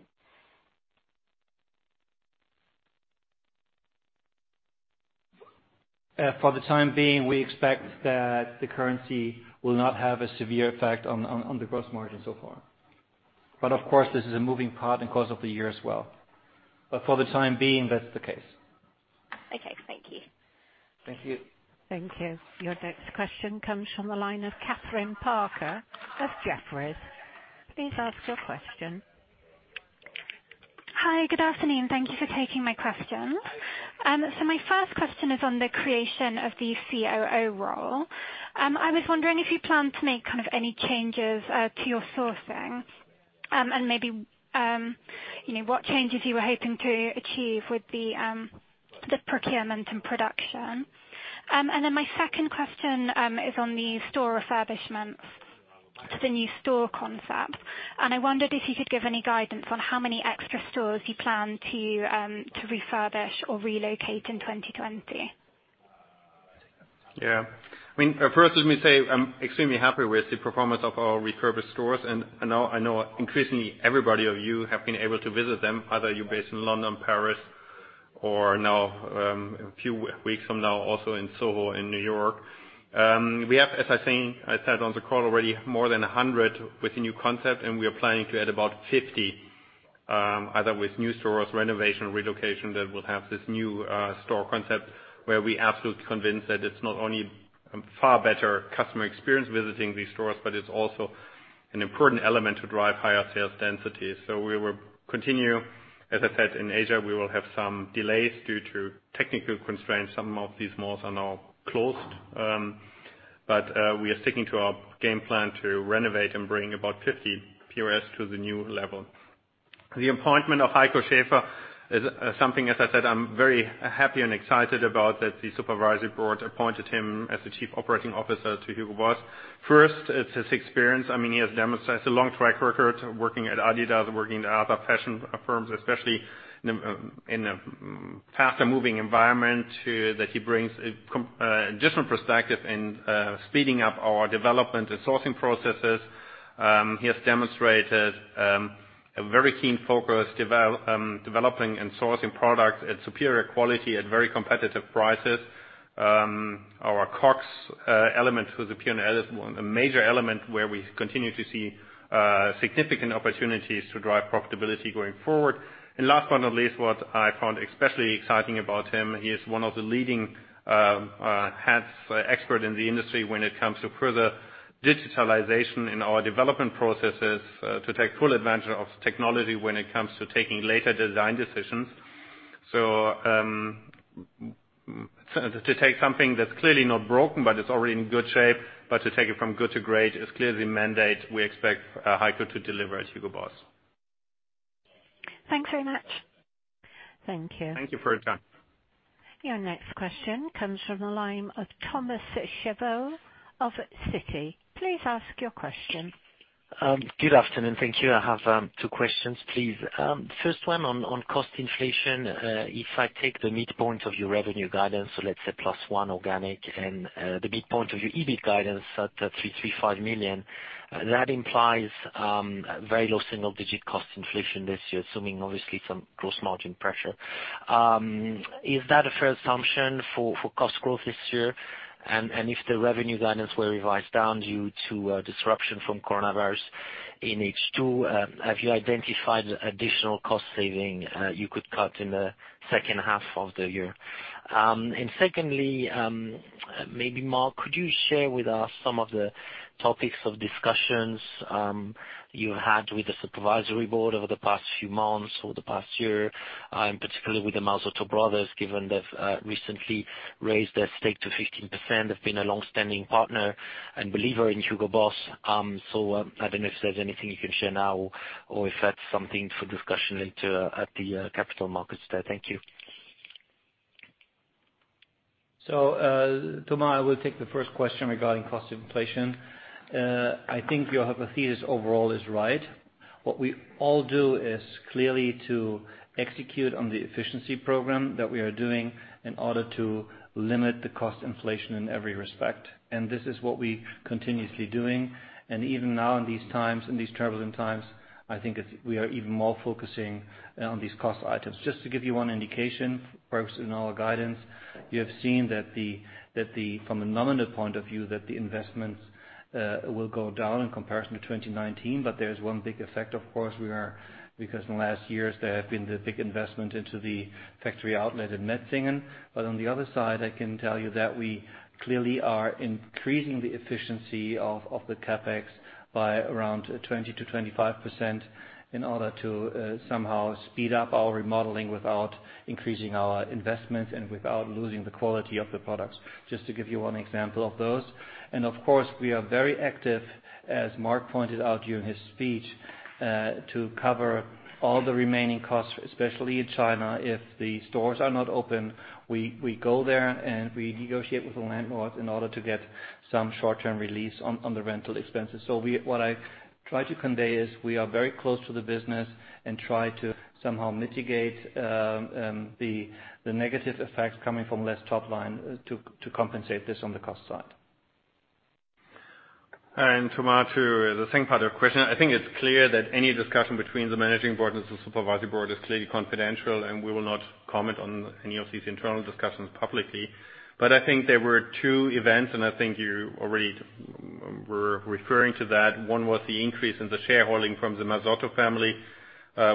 For the time being, we expect that the currency will not have a severe effect on the gross margin so far. Of course, this is a moving part in the course of the year as well. For the time being, that's the case. Okay. Thank you. Thank you. Thank you. Your next question comes from the line of Kathryn Parker of Jefferies. Please ask your question. Hi. Good afternoon. Thank you for taking my questions. My first question is on the creation of the COO role. I was wondering if you plan to make any changes to your sourcing, and maybe what changes you were hoping to achieve with the procurement and production. My second question is on the store refurbishments to the new store concept. I wondered if you could give any guidance on how many extra stores you plan to refurbish or relocate in 2020. Yeah. First, let me say, I'm extremely happy with the performance of our refurbished stores. I know increasingly everybody of you have been able to visit them, either you're based in London, Paris, or now a few weeks from now, also in Soho in New York. We have, as I said on the call already, more than 100 with the new concept, and we are planning to add about 50, either with new stores, renovation, relocation, that will have this new store concept where we're absolutely convinced that it's not only a far better customer experience visiting these stores, but it's also an important element to drive higher sales density. We will continue. As I said, in Asia, we will have some delays due to technical constraints. Some of these malls are now closed. We are sticking to our game plan to renovate and bring about 50 POS to the new level. The appointment of Heiko Schäfer is something, as I said, I'm very happy and excited about, that the supervisory board appointed him as the Chief Operating Officer to Hugo Boss. First, it's his experience. He has demonstrated a long track record working at Adidas and working in other fashion firms, especially in a faster-moving environment, that he brings a different perspective in speeding up our development and sourcing processes. He has demonstrated a very keen focus developing and sourcing product at superior quality at very competitive prices. Our COGS element is a major element where we continue to see significant opportunities to drive profitability going forward. Last but not least, what I found especially exciting about him, he is one of the leading hands, expert in the industry when it comes to further digitalization in our development processes to take full advantage of technology when it comes to taking later design decisions. To take something that's clearly not broken, but it's already in good shape, but to take it from good to great is clearly a mandate we expect Heiko to deliver at Hugo Boss. Thanks very much. Thank you. Thank you for your time. Your next question comes from the line of Thomas Chauvet of Citi. Please ask your question. Good afternoon. Thank you. I have two questions, please. First one on cost inflation. If I take the midpoint of your revenue guidance, so let's say plus one organic and the midpoint of your EBIT guidance at 335 million, that implies very low single-digit cost inflation this year, assuming obviously some gross margin pressure. Is that a fair assumption for cost growth this year? If the revenue guidance were revised down due to disruption from coronavirus in H2, have you identified additional cost saving you could cut in the second half of the year? Secondly, maybe Mark, could you share with us some of the topics of discussions you had with the supervisory board over the past few months or the past year, and particularly with the Marzotto brothers, given they've recently raised their stake to 15%. They've been a longstanding partner and believer in Hugo Boss. I don't know if there's anything you can share now or if that's something for discussion at the Capital Markets Day. Thank you. Thomas, I will take the first question regarding cost inflation. I think your hypothesis overall is right. What we all do is clearly to execute on the efficiency program that we are doing in order to limit the cost inflation in every respect. This is what we continuously doing. Even now in these times, in these troubling times, I think we are even more focusing on these cost items. Just to give you one indication, perhaps in our guidance, you have seen that from a nominal point of view, that the investments will go down in comparison to 2019. There is one big effect, of course, because in the last years there have been the big investment into the factory outlet in Metzingen. On the other side, I can tell you that we clearly are increasing the efficiency of the CapEx by around 20% to 25% in order to somehow speed up our remodeling without increasing our investments and without losing the quality of the products. Just to give you one example of those. Of course, we are very active, as Mark pointed out during his speech, to cover all the remaining costs, especially in China. If the stores are not open, we go there, and we negotiate with the landlords in order to get some short-term release on the rental expenses. What I try to convey is we are very close to the business and try to somehow mitigate the negative effects coming from less top line to compensate this on the cost side. Thomas, to the second part of the question, I think it's clear that any discussion between the managing board and the supervisory board is clearly confidential, and we will not comment on any of these internal discussions publicly. I think there were two events, and I think you already were referring to that. One was the increase in the shareholding from the Marzotto family,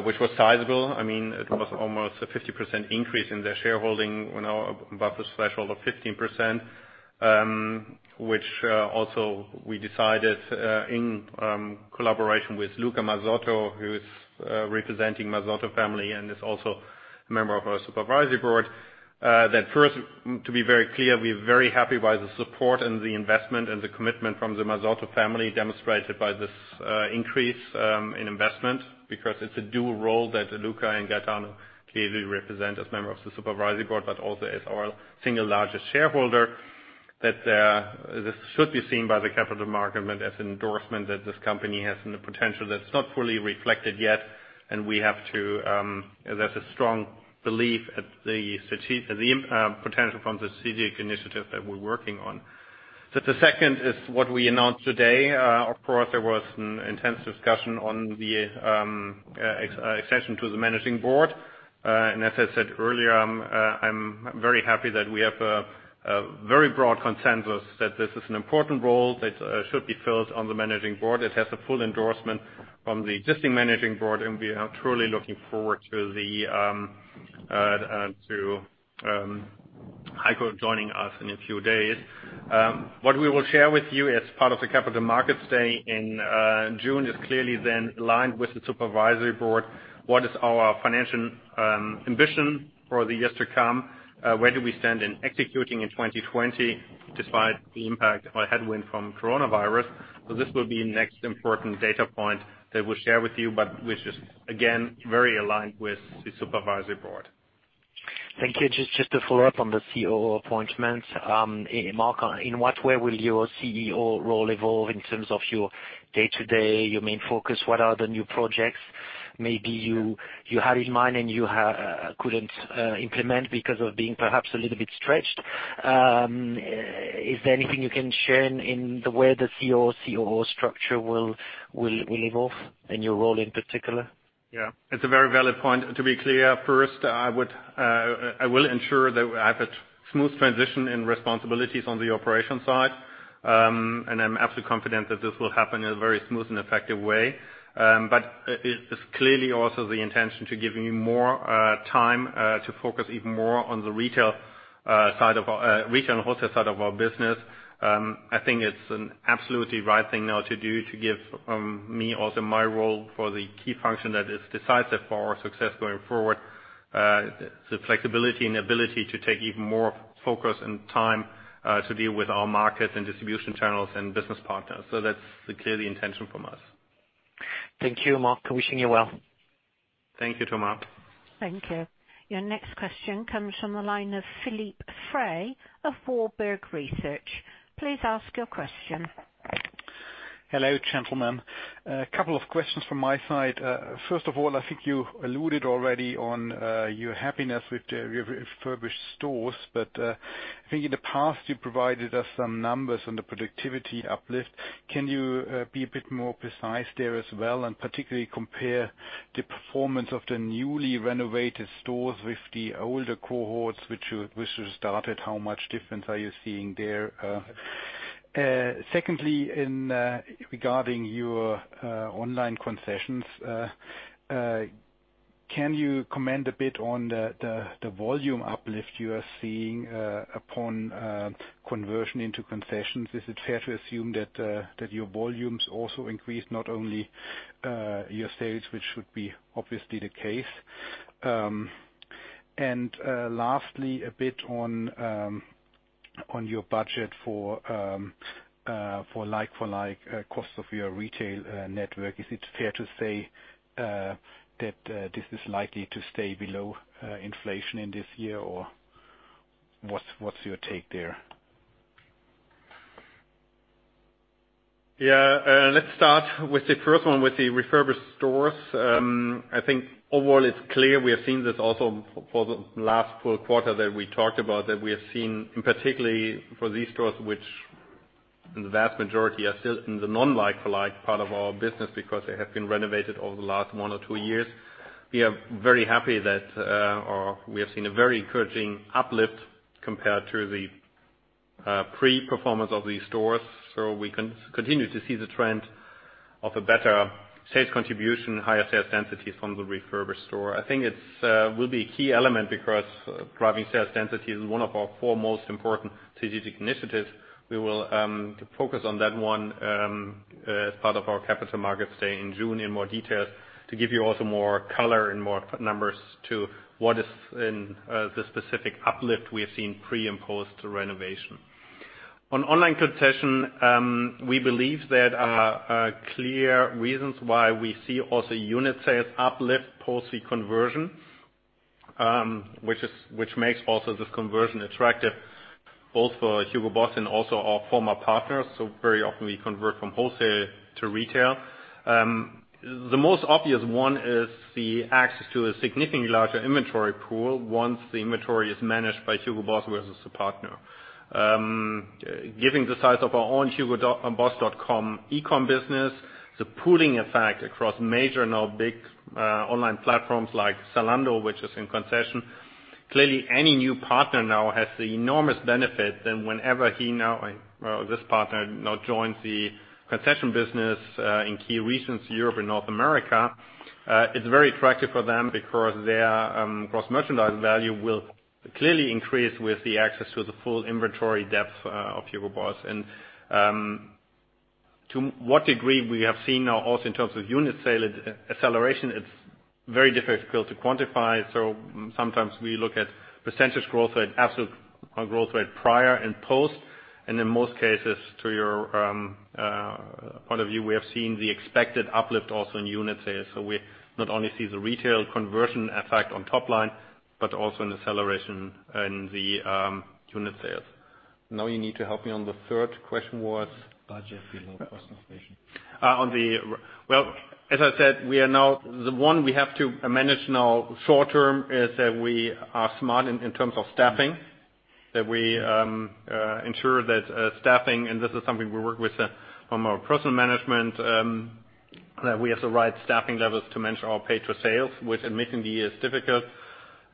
which was sizable. It was almost a 50% increase in their shareholding above the threshold of 15%, which also we decided, in collaboration with Luca Marzotto, who is representing Marzotto family and is also a member of our supervisory board. That first, to be very clear, we are very happy by the support and the investment and the commitment from the Marzotto family demonstrated by this increase in investment, because it's a dual role that Luca and Gaetano clearly represent as member of the supervisory board, but also as our single largest shareholder, that this should be seen by the capital market as endorsement that this company has potential that's not fully reflected yet. There's a strong belief in the potential from strategic initiative that we're working on. The second is what we announced today. Of course, there was an intense discussion on the extension to the managing board. As I said earlier, I'm very happy that we have a very broad consensus that this is an important role that should be filled on the managing board. It has a full endorsement from the existing managing board, and we are truly looking forward to Heiko joining us in a few days. What we will share with you as part of the Capital Markets Day in June is clearly then aligned with the supervisory board. What is our financial ambition for the years to come? Where do we stand in executing in 2020 despite the impact of a headwind from coronavirus? This will be next important data point that we'll share with you, but which is, again, very aligned with the supervisory board. Thank you. Just to follow up on the COO appointment. Mark, in what way will your CEO role evolve in terms of your day-to-day, your main focus? What are the new projects maybe you had in mind and you couldn't implement because of being perhaps a little bit stretched? Is there anything you can share in the way the CEO/COO structure will evolve and your role in particular? Yeah, it's a very valid point. To be clear, first, I will ensure that I have a smooth transition in responsibilities on the operation side. I'm absolutely confident that this will happen in a very smooth and effective way. It's clearly also the intention to give me more time to focus even more on the retail and wholesale side of our business. I think it's an absolutely right thing now to do to give me also my role for the key function that is decisive for our success going forward. The flexibility and ability to take even more focus and time to deal with our markets and distribution channels and business partners. That's clearly intention from us. Thank you, Mark. Wishing you well. Thank you, Thomas. Thank you. Your next question comes from the line of Philippe Frey of Warburg Research. Please ask your question. Hello, gentlemen. A couple of questions from my side. First of all, I think you alluded already on your happiness with your refurbished stores. I think in the past you provided us some numbers on the productivity uplift. Can you be a bit more precise there as well, and particularly compare the performance of the newly renovated stores with the older cohorts, which you started? How much difference are you seeing there? Secondly, regarding your online concessions, can you comment a bit on the volume uplift you are seeing upon conversion into concessions? Is it fair to assume that your volumes also increase, not only your sales, which should be obviously the case? Lastly, a bit on your budget for like-for-like cost of your retail network. Is it fair to say that this is likely to stay below inflation in this year, or what's your take there? Yeah. Let's start with the first one, with the refurbished stores. I think overall it's clear. We have seen this also for the last full quarter that we talked about, that we have seen, particularly for these stores, which in the vast majority are still in the non-like-for-like part of our business because they have been renovated over the last one or two years. We are very happy that we have seen a very encouraging uplift compared to the pre-performance of these stores. We continue to see the trend of a better sales contribution, higher sales densities from the refurbished store. I think it will be a key element because driving sales density is one of our four most important strategic initiatives. We will focus on that one as part of our Capital Markets Day in June in more details to give you also more color and more numbers to what is the specific uplift we have seen pre- and post-renovation. On online concession, we believe there are clear reasons why we see also unit sales uplift post the conversion, which makes also this conversion attractive both for Hugo Boss and also our former partners. Very often we convert from wholesale to retail. The most obvious one is the access to a significantly larger inventory pool once the inventory is managed by Hugo Boss versus the partner. Given the size of our own hugoboss.com e-com business, the pooling effect across major now big online platforms like Zalando, which is in concession. Clearly any new partner now has the enormous benefit that whenever this partner now joins the concession business in key regions, Europe and North America. It's very attractive for them because their gross merchandise value will clearly increase with the access to the full inventory depth of Hugo Boss. To what degree we have seen now also in terms of unit sales acceleration, it's very difficult to quantify. Sometimes we look at percentage growth rate, absolute growth rate prior and post. In most cases, to your point of view, we have seen the expected uplift also in unit sales. We not only see the retail conversion effect on top line, but also an acceleration in the unit sales. Now you need to help me on the third question, was Budget below cost inflation. Well, as I said, the one we have to manage now short term is that we are smart in terms of staffing. That we ensure that staffing, and this is something we work with from our personal management, that we have the right staffing levels to manage our pay-to-sales. Which in making the year is difficult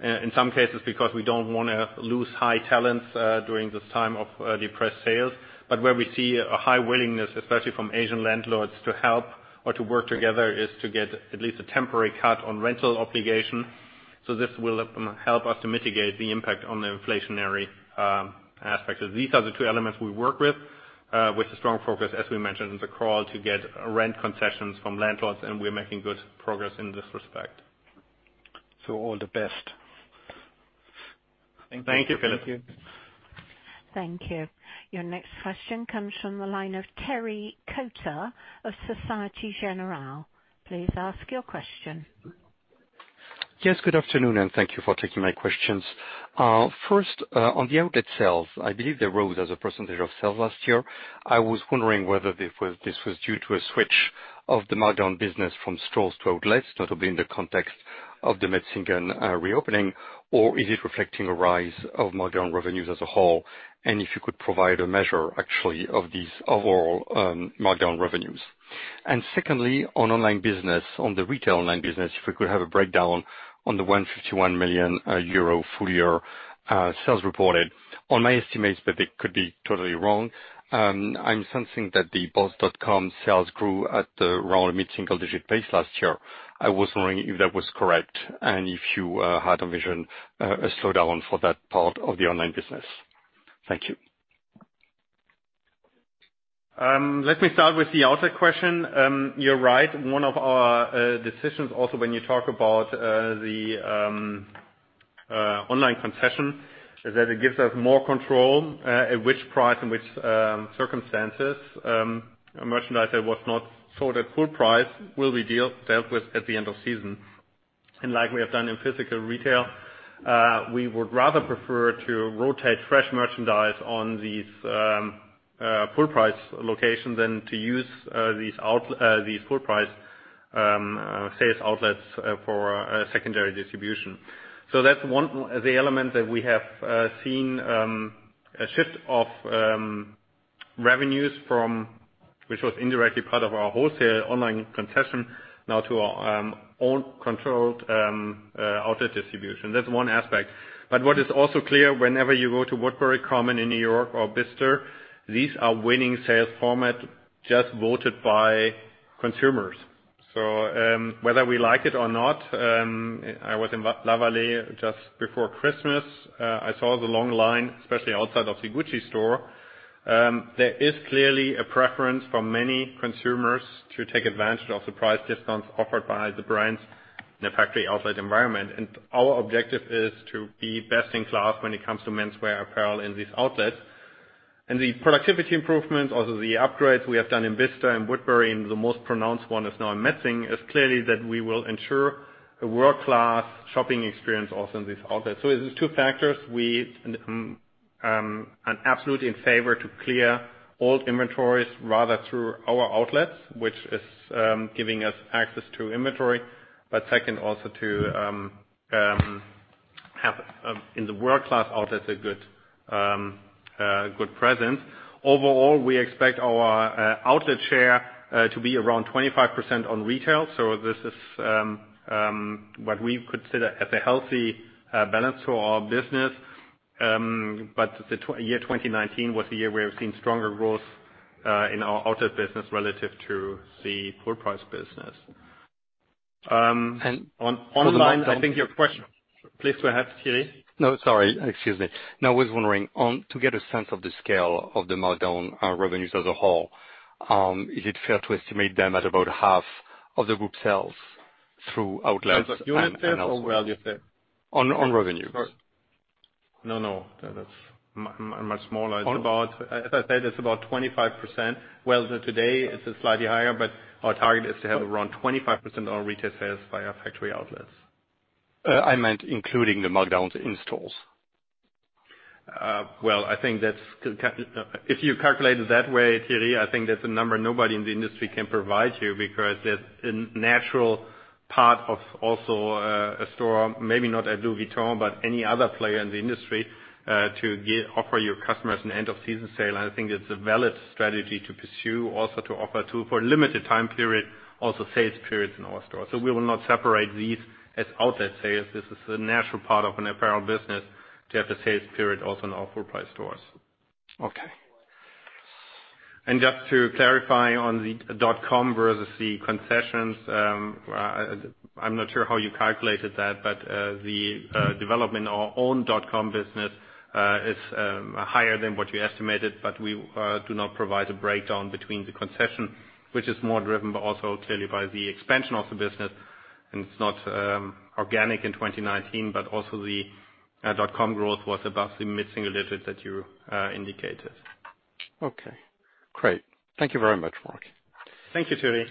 in some cases because we don't want to lose high talents during this time of depressed sales. Where we see a high willingness, especially from Asian landlords, to help or to work together, is to get at least a temporary cut on rental obligation. This will help us to mitigate the impact on the inflationary aspects. These are the two elements we work with a strong focus, as we mentioned in the call, to get rent concessions from landlords, and we're making good progress in this respect. All the best. Thank you, Philippe. Thank you. Thank you. Your next question comes from the line of Thierry Cota of Société Générale. Please ask your question. Yes, good afternoon. Thank you for taking my questions. First, on the outlet sales, I believe they rose as a percentage of sales last year. I was wondering whether this was due to a switch of the markdown business from stores to outlets, notably in the context of the Metzingen reopening, or is it reflecting a rise of markdown revenues as a whole? If you could provide a measure actually of these overall markdown revenues. Secondly, on online business, on the retail online business, if we could have a breakdown on the 151 million euro full year sales reported. On my estimates, but they could be totally wrong, I'm sensing that the boss.com sales grew at around a mid-single digit pace last year. I was wondering if that was correct and if you had a vision, a slowdown for that part of the online business. Thank you. Let me start with the outlet question. You're right. One of our decisions also when you talk about the online concession is that it gives us more control at which price, in which circumstances, merchandise that was not sold at full price will be dealt with at the end of season. Like we have done in physical retail, we would rather prefer to rotate fresh merchandise on these full-price locations than to use these full-price sales outlets for secondary distribution. That's one of the elements that we have seen a shift of revenues from, which was indirectly part of our wholesale online concession, now to our own controlled outlet distribution. That's one aspect. What is also clear, whenever you go to Woodbury Common in New York or Bicester, these are winning sales format just voted by consumers. Whether we like it or not, I was in La Vallée just before Christmas. I saw the long line, especially outside of the Gucci store. There is clearly a preference for many consumers to take advantage of the price discounts offered by the brands in a factory outlet environment. Our objective is to be best in class when it comes to menswear apparel in these outlets. The productivity improvements, also the upgrades we have done in Bicester, in Woodbury, and the most pronounced one is now in Metzingen, is clearly that we will ensure a world-class shopping experience also in these outlets. It is two factors. We are absolutely in favor to clear old inventories rather through our outlets, which is giving us access to inventory. Second, also to have in the world-class outlets, a good presence. Overall, we expect our outlet share to be around 25% on retail. This is what we consider as a healthy balance for our business. The year 2019 was the year where we've seen stronger growth in our outlet business relative to the full-price business. And- Please go ahead, Thierry. No, sorry. Excuse me. I was wondering, to get a sense of the scale of the markdown revenues as a whole, is it fair to estimate them at about half of the group sales through outlets? As a unit sale or value sale? On revenues. No, that's much smaller. As I said, it's about 25%. Well, today it's slightly higher, but our target is to have around 25% of our retail sales via factory outlets. I meant including the markdowns in stores. If you calculate it that way, Thierry, I think that's a number nobody in the industry can provide you because there's a natural part of also a store, maybe not at Louis Vuitton, but any other player in the industry, to offer your customers an end of season sale. I think it's a valid strategy to pursue also to offer for a limited time period, also sales periods in our stores. We will not separate these as outlet sales. This is a natural part of an apparel business to have a sales period also in our full-price stores. Okay. Just to clarify on the .com versus the concessions, I'm not sure how you calculated that, but the development of our own .com business is higher than what you estimated. We do not provide a breakdown between the concession, which is more driven, but also clearly by the expansion of the business. It's not organic in 2019, but also the .com growth was above the mid-single digits that you indicated. Okay, great. Thank you very much, Mark. Thank you, Thierry.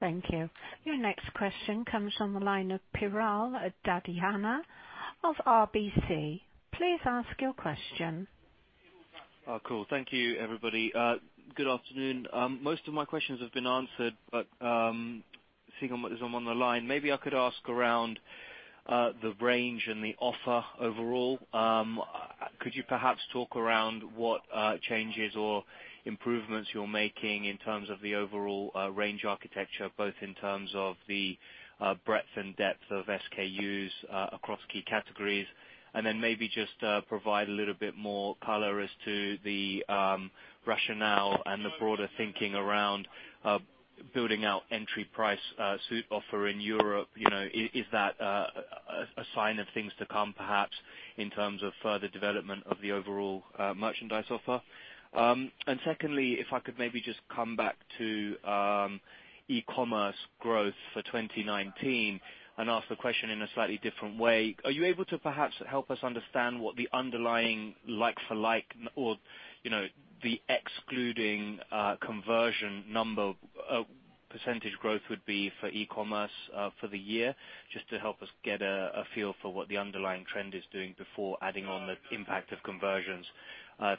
Thank you. Your next question comes from the line of Piral Dadhania of RBC. Please ask your question. Cool. Thank you, everybody. Good afternoon. Most of my questions have been answered, but seeing what is on the line, maybe I could ask around the range and the offer overall. Could you perhaps talk around what changes or improvements you're making in terms of the overall range architecture, both in terms of the breadth and depth of SKUs across key categories? Then maybe just provide a little bit more color as to the rationale and the broader thinking around building out entry price suit offer in Europe. Is that a sign of things to come, perhaps, in terms of further development of the overall merchandise offer? Secondly, if I could maybe just come back to e-commerce growth for 2019 and ask the question in a slightly different way. Are you able to perhaps help us understand what the underlying like-for-like or the excluding conversion number percentage growth would be for e-commerce for the year, just to help us get a feel for what the underlying trend is doing before adding on the impact of conversions?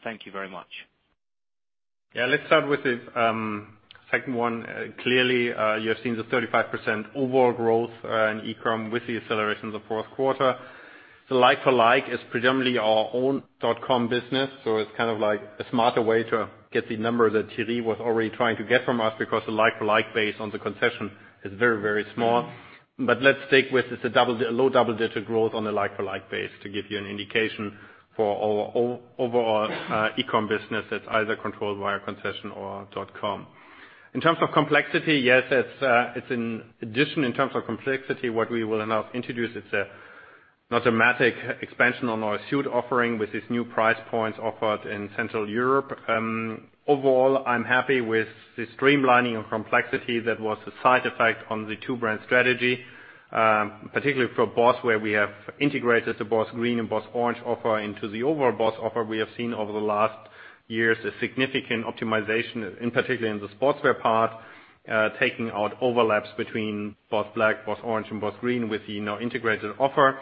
Thank you very much. Yeah, let's start with the second one. Clearly, you have seen the 35% overall growth in e-com with the acceleration in the fourth quarter. The like-for-like is predominantly our own .com business. It's a smarter way to get the number that Thierry was already trying to get from us because the like-for-like based on the concession is very small. Let's stick with it's a low double-digit growth on a like-for-like base to give you an indication for our overall e-com business that's either controlled via concession or .com. In terms of complexity, yes, it's an addition in terms of complexity. What we will now introduce is not a dramatic expansion on our suit offering with these new price points offered in Central Europe. Overall, I'm happy with the streamlining of complexity that was a side effect on the two-brand strategy. Particularly for BOSS, where we have integrated the BOSS Green and BOSS Orange offer into the overall BOSS offer. We have seen over the last years a significant optimization, in particular in the sportswear part, taking out overlaps between BOSS Black, BOSS Orange and BOSS Green with the now integrated offer.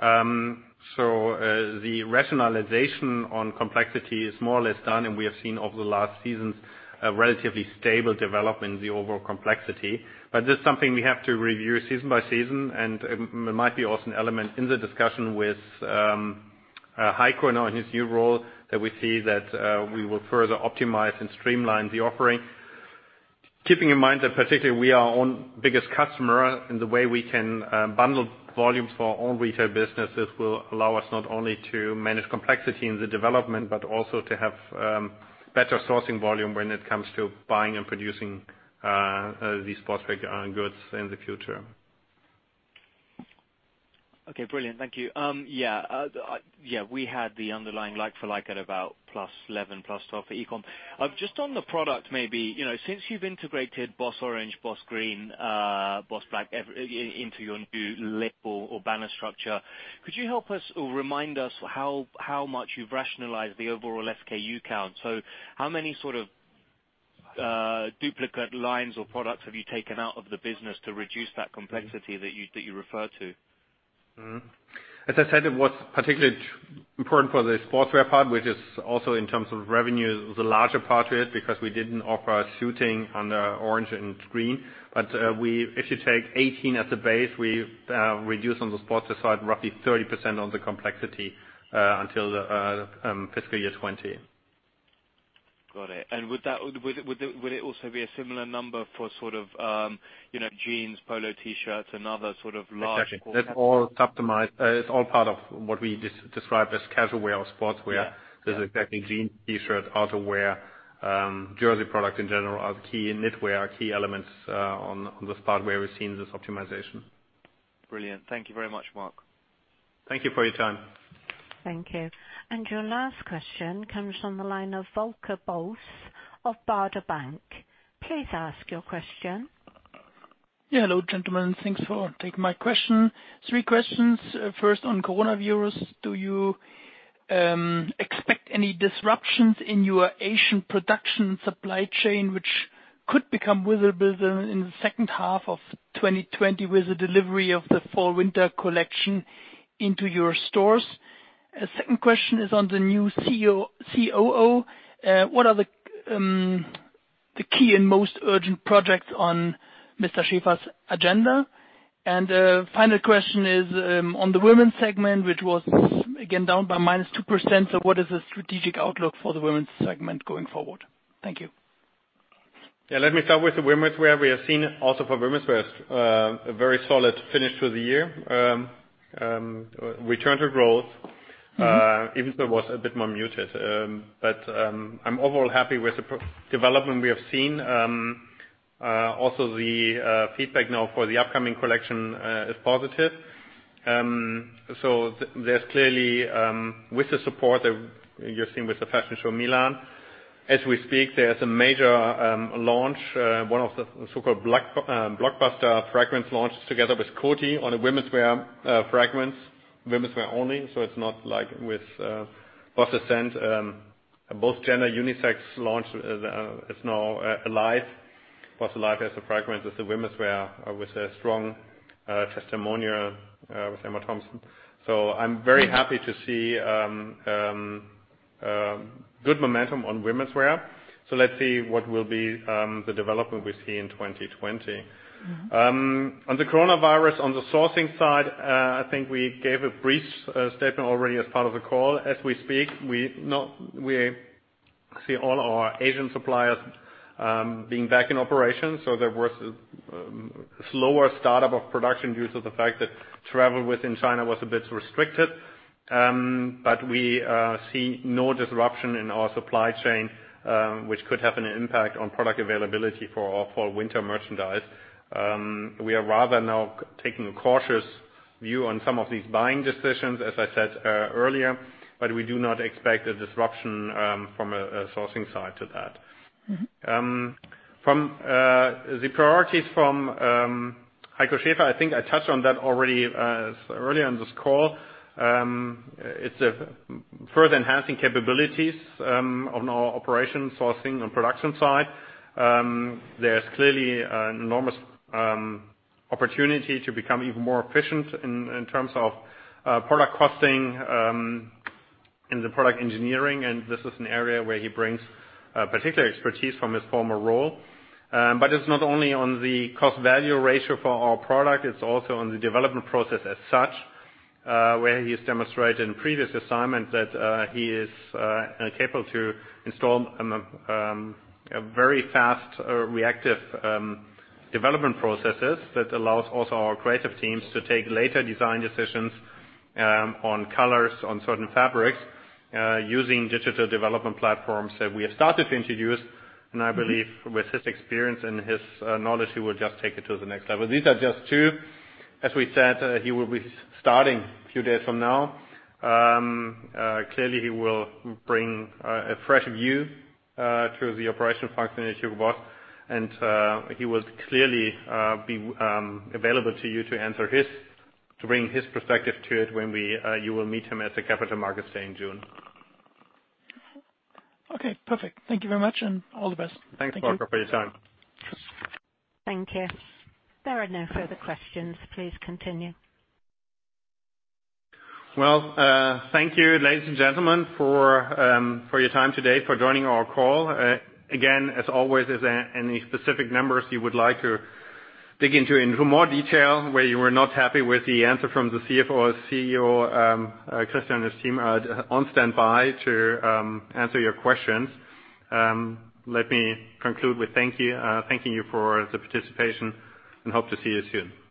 The rationalization on complexity is more or less done, and we have seen over the last seasons a relatively stable development in the overall complexity. This is something we have to review season by season, and it might be also an element in the discussion with Heiko now in his new role, that we see that we will further optimize and streamline the offering. Keeping in mind that particularly we are our own biggest customer, and the way we can bundle volumes for our own retail businesses will allow us not only to manage complexity in the development, but also to have better sourcing volume when it comes to buying and producing these sportswear goods in the future. Okay, brilliant. Thank you. Yeah. We had the underlying like for like at about +11%, +12% for e-com. Just on the product maybe, since you've integrated BOSS Orange, BOSS Green, BOSS Black into your new label or banner structure, could you help us or remind us how much you've rationalized the overall SKU count? How many sort of duplicate lines or products have you taken out of the business to reduce that complexity that you refer to? As I said, what's particularly important for the sportswear part, which is also in terms of revenue, is the larger part to it, because we didn't offer suiting on the Orange and Green. If you take 18 as a base, we've reduced on the sportswear side roughly 30% of the complexity until the fiscal year 2020. Got it. Will it also be a similar number for jeans, polo T-shirts and other sort of large-. Exactly. It's all part of what we describe as casual wear or sportswear. Yeah. It's exactly jeans, T-shirts, outerwear, jersey product in general are key, and knitwear are key elements on this part where we're seeing this optimization. Brilliant. Thank you very much, Mark. Thank you for your time. Thank you. Your last question comes from the line of Volker Bosse of Baader Bank. Please ask your question. Hello, gentlemen. Thanks for taking my question. Three questions. First, on coronavirus, do you expect any disruptions in your Asian production supply chain which could become visible in the second half of 2020 with the delivery of the fall/winter collection into your stores? Second question is on the new COO. What are the key and most urgent projects on Mr. Schäfer's agenda? Final question is on the women's segment, which was, again, down by minus 2%. What is the strategic outlook for the women's segment going forward? Thank you. Let me start with the womenswear. We have seen also for womenswear, a very solid finish to the year. Return to growth, even if it was a bit more muted. I'm overall happy with the development we have seen. Also, the feedback now for the upcoming collection is positive. There's clearly, with the support that you're seeing with the fashion show in Milan. As we speak, there's a major launch, one of the so-called blockbuster fragrance launches together with Coty on a womenswear fragrance, womenswear only. It's not like with BOSS The Scent, both gender unisex launch is now live. BOSS Alive as a fragrance as a womenswear with a strong testimonial with Emma Thompson. I'm very happy to see good momentum on womenswear. Let's see what will be the development we see in 2020. On the coronavirus, on the sourcing side, I think we gave a brief statement already as part of the call. As we speak, we see all our Asian suppliers being back in operation. There was a slower startup of production due to the fact that travel within China was a bit restricted. We see no disruption in our supply chain, which could have an impact on product availability for our fall/winter merchandise. We are rather now taking a cautious view on some of these buying decisions, as I said earlier. We do not expect a disruption from a sourcing side to that. The priorities from Heiko Schäfer, I think I touched on that already earlier on this call. It's further enhancing capabilities on our operation sourcing and production side. There's clearly an enormous opportunity to become even more efficient in terms of product costing in the product engineering, and this is an area where he brings particular expertise from his former role. It's not only on the cost-value ratio for our product, it's also on the development process as such, where he's demonstrated in previous assignments that he is capable to install a very fast reactive development processes that allows also our creative teams to take later design decisions on colors, on certain fabrics, using digital development platforms that we have started to introduce. I believe with his experience and his knowledge, he will just take it to the next level. These are just two. As we said, he will be starting a few days from now. Clearly, he will bring a fresh view to the operational functioning of Hugo Boss, and he will clearly be available to you to bring his perspective to it when you will meet him at the Capital Markets Day in June. Okay, perfect. Thank you very much, and all the best. Thank you. Thanks, Volker, for your time. Thank you. There are no further questions. Please continue. Well, thank you, ladies and gentlemen, for your time today, for joining our call. As always, if there are any specific numbers you would like to dig into in more detail, where you were not happy with the answer from the CFO or CEO, Christian and his team are on standby to answer your questions. Let me conclude with thanking you for the participation, and hope to see you soon. Bye-bye.